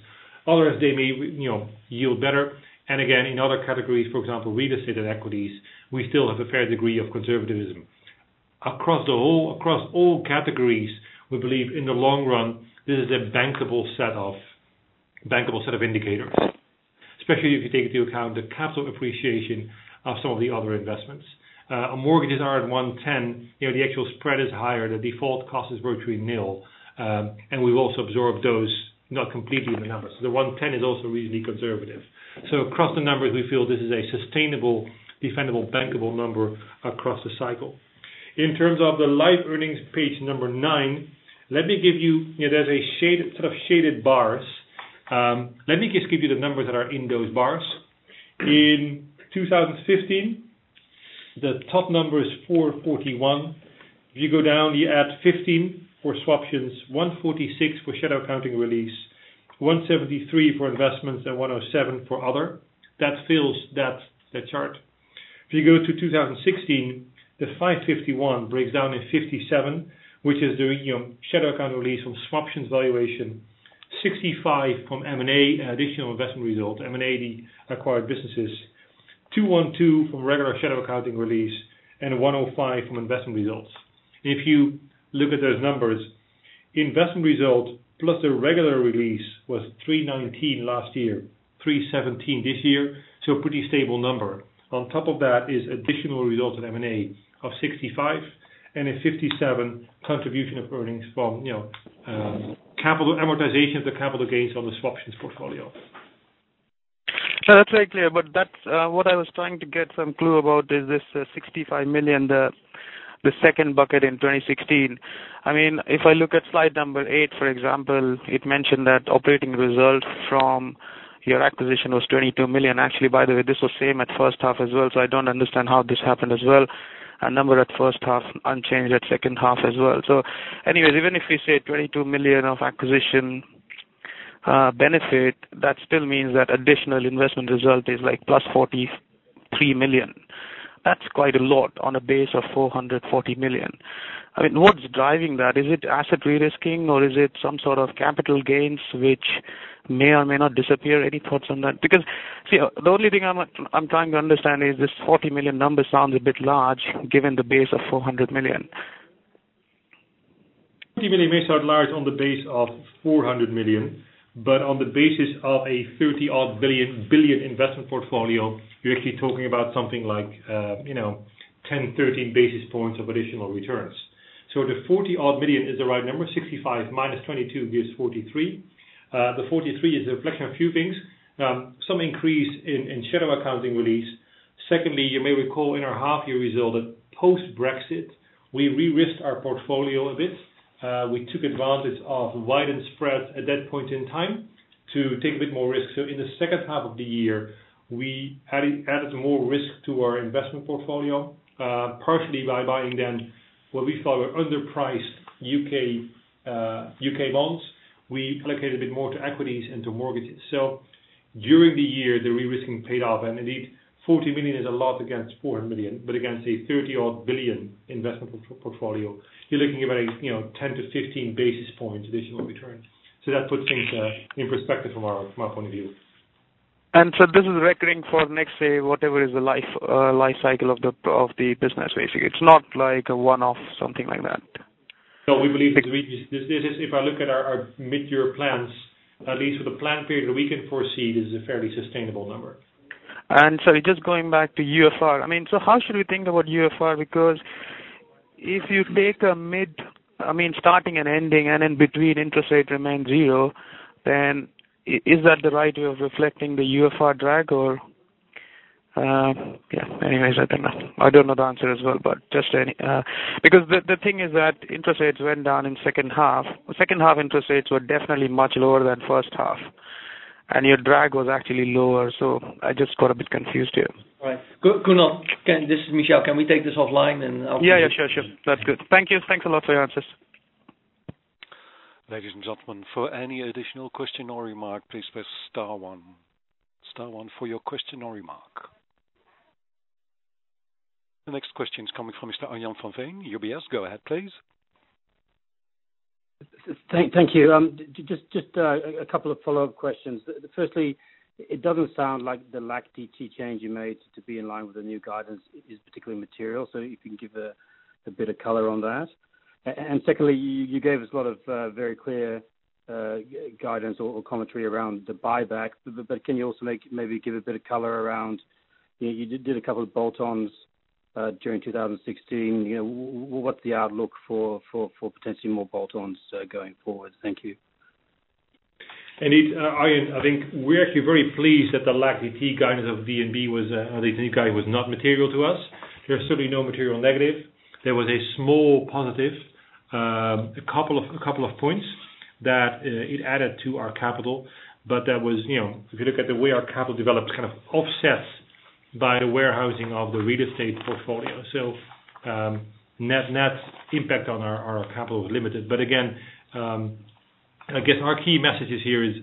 Speaker 4: Otherwise, they may yield better. Again, in other categories, for example, real estate and equities, we still have a fair degree of conservatism. Across all categories, we believe in the long run, this is a bankable set of indicators, especially if you take into account the capital appreciation of some of the other investments. Our mortgages are at 110. The actual spread is higher. The default cost is virtually nil. We have also absorbed those, not completely in the numbers. The 110 is also reasonably conservative. Across the numbers, we feel this is a sustainable, defendable, bankable number across the cycle. In terms of the live earnings, page number nine, there is a set of shaded bars. Let me just give you the numbers that are in those bars. In 2015, the top number is 441. If you go down, you add 15 for swaptions, 146 for shadow accounting release, 173 for investments, and 107 for other. That fills that chart. If you go to 2016, the 551 breaks down in 57, which is the shadow account release from swaptions valuation, 65 from M&A and additional investment result, M&A acquired businesses, 212 from regular shadow accounting release, and 105 from investment results. If you look at those numbers, investment result plus the regular release was 319 last year, 317 this year. A pretty stable number. On top of that is additional results of M&A of 65 and a 57 contribution of earnings from capital amortization of the capital gains on the swaptions portfolio.
Speaker 12: That's very clear. What I was trying to get some clue about is this 65 million, the second bucket in 2016. If I look at slide number eight, for example, it mentioned that operating results from your acquisition was 22 million. Actually, by the way, this was same at first half as well. I don't understand how this happened as well. A number at first half unchanged at second half as well. Anyways, even if we say 22 million of acquisition benefit, that still means that additional investment result is plus 43 million. That's quite a lot on a base of 440 million. What's driving that? Is it asset risk or is it some sort of capital gains which may or may not disappear? Any thoughts on that? See, the only thing I'm trying to understand is this 40 million number sounds a bit large given the base of 400 million.
Speaker 4: 40 million may sound large on the base of 400 million. On the basis of a 30 odd billion investment portfolio, you're actually talking about something like 10, 13 basis points of additional returns. The 40 odd million is the right number. 65 minus 22 gives 43. The 43 is a reflection of a few things. Some increase in shadow accounting release. Secondly, you may recall in our half year result that post-Brexit, we re-risked our portfolio a bit. We took advantage of widened spreads at that point in time to take a bit more risk. In the second half of the year, we added more risk to our investment portfolio, partially by buying then what we thought were underpriced U.K. bonds. We allocated a bit more to equities and to mortgages. During the year, the re-risking paid off, and indeed, 40 million is a lot against 400 million. Against a 30 odd billion investment portfolio, you're looking at a 10 to 15 basis points additional return. That puts things in perspective from our point of view.
Speaker 12: This is recurring for next, say, whatever is the life cycle of the business, basically. It's not like a one-off, something like that.
Speaker 4: No, we believe this, if I look at our mid-year plans, at least for the plan period we can foresee, this is a fairly sustainable number.
Speaker 12: Sorry, just going back to UFR. How should we think about UFR? Because if you take a starting and ending and in between interest rate remains zero, then is that the right way of reflecting the UFR drag or Yeah. Anyways, I don't know. I don't know the answer as well, but just any. Because the thing is that interest rates went down in second half. Second half interest rates were definitely much lower than first half, and your drag was actually lower. I just got a bit confused here.
Speaker 2: Right. Kunal, this is Michel. Can we take this offline.
Speaker 12: Yeah. Sure. That's good. Thank you. Thanks a lot for your answers.
Speaker 1: Ladies and gentlemen, for any additional question or remark, please press star one. Star one for your question or remark. The next question is coming from Mr. Arjan van Veen, UBS. Go ahead, please.
Speaker 13: Thank you. Just a couple of follow-up questions. Firstly, it doesn't sound like the LAC-DT change you made to be in line with the new guidance is particularly material. If you can give a bit of color on that. Secondly, you gave us a lot of very clear guidance or commentary around the buyback. Can you also maybe give a bit of color around, you did a couple of bolt-ons during 2016. What's the outlook for potentially more bolt-ons going forward? Thank you.
Speaker 4: Indeed, Arjan, I think we're actually very pleased that the LAC-DT guidance of DNB was not material to us. There was certainly no material negative. There was a small positive, a couple of points that it added to our capital, but that was, if you look at the way our capital developed, kind of offset by the warehousing of the real estate portfolio. Net impact on our capital was limited. Again, I guess our key messages here is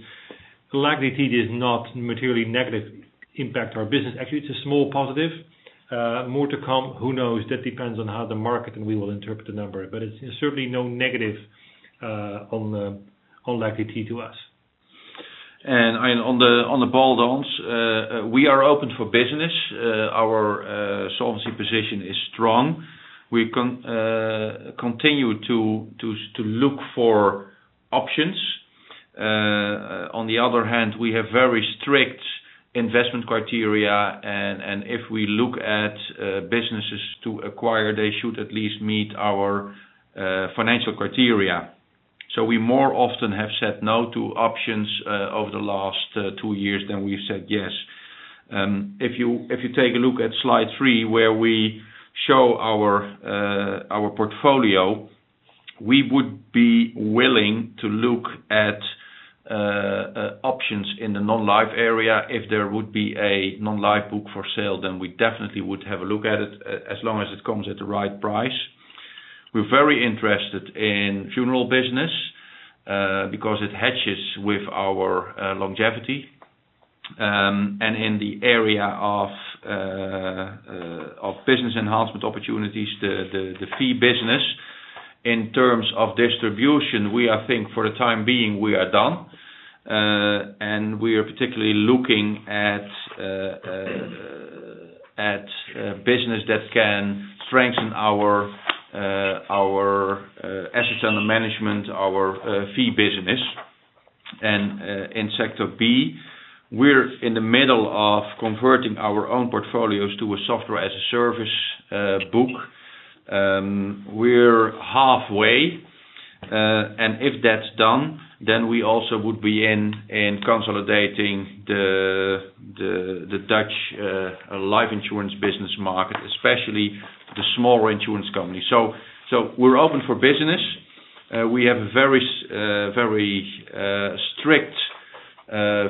Speaker 4: LAC-DT did not materially negative impact our business. Actually, it's a small positive, more to come, who knows? That depends on how the market, and we will interpret the number, but it's certainly no negative on LAC-DT to us. On the bolt-ons, we are open for business. Our solvency position is strong. We continue to look for options. On the other hand, we have very strict investment criteria, and if we look at businesses to acquire, they should at least meet our financial criteria. We more often have said no to options over the last two years than we've said yes. If you take a look at slide three, where we show our portfolio, we would be willing to look at options in the non-life area. If there would be a non-life book for sale, then we definitely would have a look at it, as long as it comes at the right price. We're very interested in funeral business because it hedges with our longevity. In the area of business enhancement opportunities, the fee business. In terms of distribution, I think for the time being, we are done. We are particularly looking at business that can strengthen our assets under management, our fee business. In sector B, we're in the middle of converting our own portfolios to a software-as-a-service book. We're halfway. If that's done, then we also would be in consolidating the Dutch life insurance business market, especially the smaller insurance companies. We're open for business. We have a very strict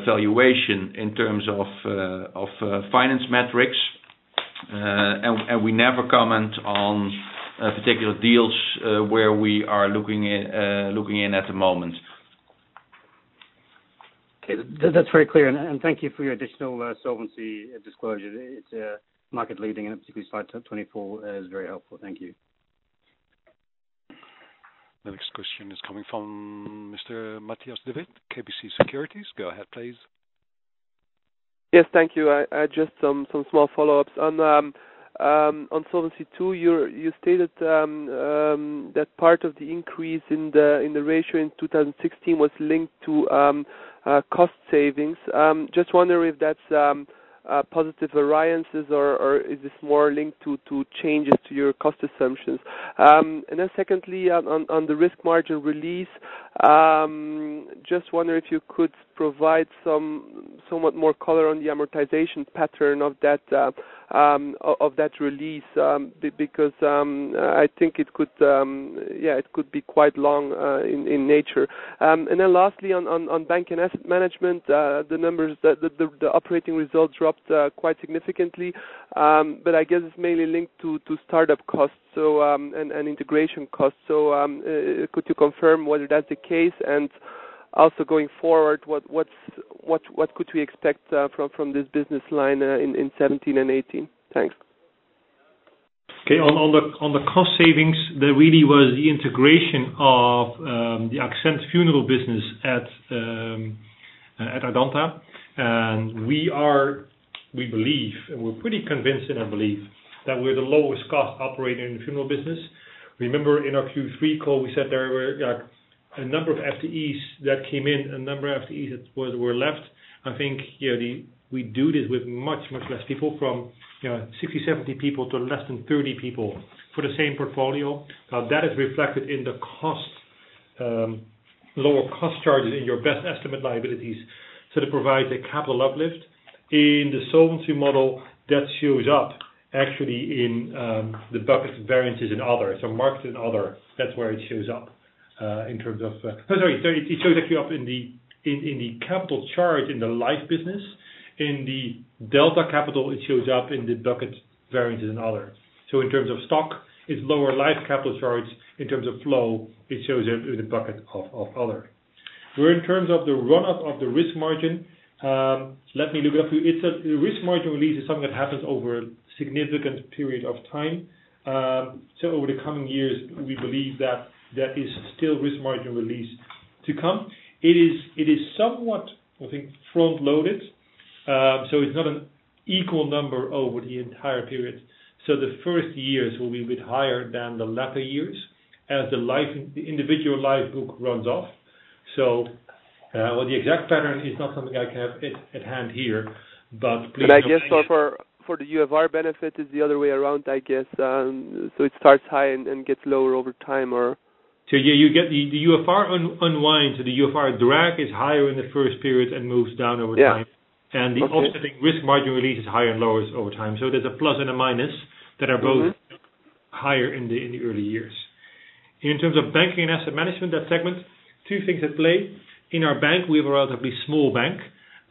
Speaker 4: valuation in terms of finance metrics. We never comment on particular deals where we are looking in at the moment.
Speaker 13: Okay. That's very clear. Thank you for your additional solvency disclosure. It's market leading, and particularly slide 24 is very helpful. Thank you.
Speaker 1: The next question is coming from Mr. Matthias De Wit, KBC Securities. Go ahead, please.
Speaker 9: Yes. Thank you. I just some small follow-ups. On Solvency II, you stated that part of the increase in the ratio in 2016 was linked to cost savings. Just wondering if that's positive variances or is this more linked to changes to your cost assumptions? Secondly, on the risk margin release, just wonder if you could provide somewhat more color on the amortization pattern of that release? I think it could be quite long in nature. Lastly, on bank and asset management, the operating results dropped quite significantly. I guess it's mainly linked to startup costs and integration costs. Could you confirm whether that's the case? Also going forward, what could we expect from this business line in 2017 and 2018? Thanks.
Speaker 4: Okay. On the cost savings, there really was the integration of the AXENT funeral business at Ardanta. We believe, and we're pretty convinced in our belief, that we're the lowest cost operator in the funeral business. Remember in our Q3 call, we said there were a number of FTEs that came in, a number of FTEs that were left. I think we do this with much less people from 60, 70 people to less than 30 people for the same portfolio. Now, that is reflected in the lower cost charges in your best estimate liabilities. That provides a capital uplift. In the Solvency model, that shows up actually in the bucket variances in other. Markets and other, that's where it shows up. No, sorry. It shows actually up in the capital charge in the life business. In the delta capital, it shows up in the bucket variances in other. In terms of stock, it's lower life capital charge. In terms of flow, it shows up in the bucket of other. Where in terms of the run-up of the risk margin, let me look it up for you. Risk margin release is something that happens over a significant period of time. Over the coming years, we believe that there is still risk margin release to come. It is somewhat, I think, front-loaded. It's not an equal number over the entire period. The first years will be a bit higher than the latter years as the individual life book runs off. The exact pattern is not something I have at hand here, but please.
Speaker 9: I guess for the UFR benefit, it's the other way around, I guess. It starts high and gets lower over time or?
Speaker 4: Yeah, the UFR unwinds. The UFR drag is higher in the first period and moves down over time.
Speaker 9: Yeah. Okay.
Speaker 4: The offsetting risk margin release is higher and lowers over time. There's a plus and a minus that are both higher in the early years. In terms of banking and asset management, that segment, two things at play. In our bank, we have a relatively small bank.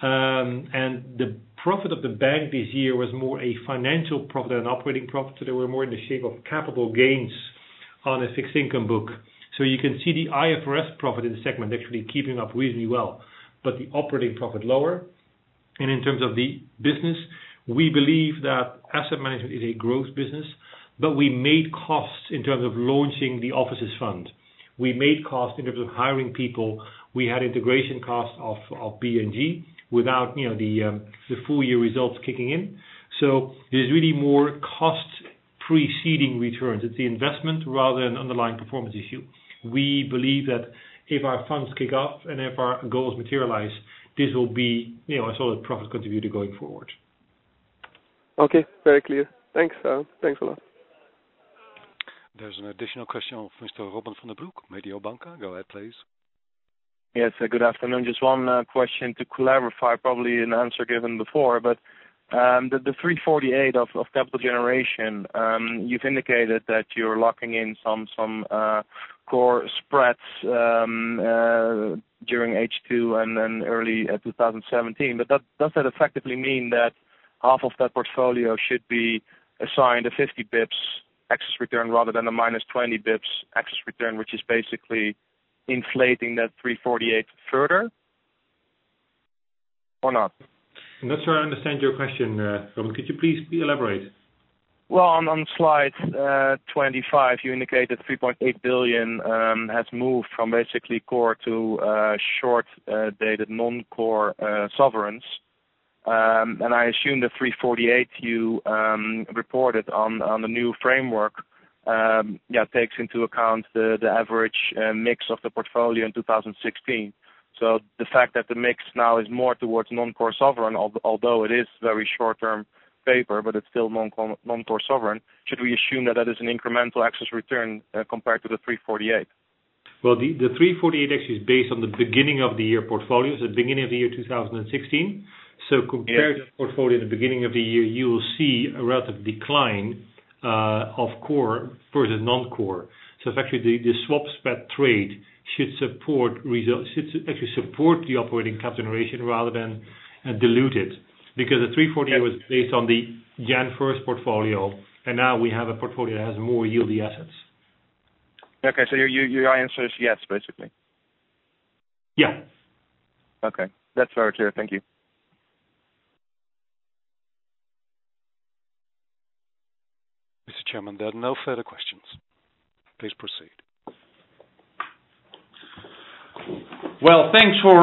Speaker 4: The profit of the bank this year was more a financial profit than operating profit. They were more in the shape of capital gains on a fixed income book. You can see the IFRS profit in the segment actually keeping up reasonably well, but the operating profit lower. In terms of the business, we believe that asset management is a growth business, but we made costs in terms of launching the Offices Fund. We made costs in terms of hiring people. We had integration costs of BNG without the full-year results kicking in. There's really more costs preceding returns. It's the investment rather than underlying performance issue. We believe that if our funds kick off and if our goals materialize, this will be a solid profit contributor going forward.
Speaker 9: Okay. Very clear. Thanks, All. Thanks a lot.
Speaker 1: There's an additional question of Mr. Robin van den Broek, Mediobanca. Go ahead, please.
Speaker 14: Yes. Good afternoon. Just one question to clarify, probably an answer given before, but the 348 of capital generation, you've indicated that you're locking in some core spreads during H2 and then early 2017. Does that effectively mean that half of that portfolio should be assigned a 50 basis points excess return rather than the -20 basis points excess return, which is basically inflating that 348 further? Or not?
Speaker 4: I am not sure I understand your question, Robin. Could you please elaborate?
Speaker 14: Well, on slide 25, you indicated 3.8 billion has moved from basically core to short-dated non-core sovereigns. I assume the 348 you reported on the new framework takes into account the average mix of the portfolio in 2016. The fact that the mix now is more towards non-core sovereign, although it is very short-term paper, but it is still non-core sovereign, should we assume that that is an incremental excess return compared to the 348?
Speaker 4: Well, the 348 actually is based on the beginning of the year portfolios, the beginning of the year 2016. Compared to the portfolio at the beginning of the year, you will see a relative decline of core versus non-core. It is actually the swap spread trade should actually support the operating capital generation rather than dilute it, because the 348 was based on the January first portfolio, now we have a portfolio that has more yieldy assets.
Speaker 14: Okay. Your answer is yes, basically?
Speaker 4: Yeah.
Speaker 14: Okay. That's very clear. Thank you.
Speaker 1: Mr. Chairman, there are no further questions. Please proceed.
Speaker 3: Well, thanks for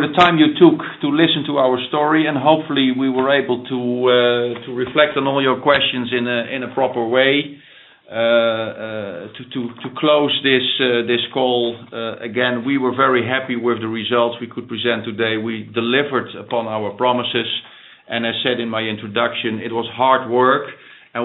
Speaker 3: the time you took to listen to our story. Hopefully we were able to reflect on all your questions in a proper way. To close this call, again, we were very happy with the results we could present today. We delivered upon our promises. I said in my introduction, it was hard work.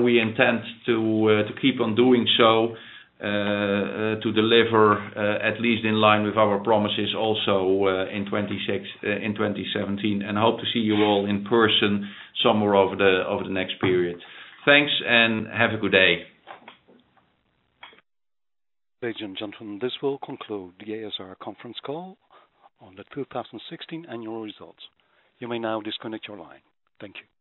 Speaker 3: We intend to keep on doing so, to deliver at least in line with our promises also in 2017. I hope to see you all in person somewhere over the next period. Thanks. Have a good day.
Speaker 1: Ladies and gentlemen, this will conclude the ASR conference call on the 2016 annual results. You may now disconnect your line. Thank you.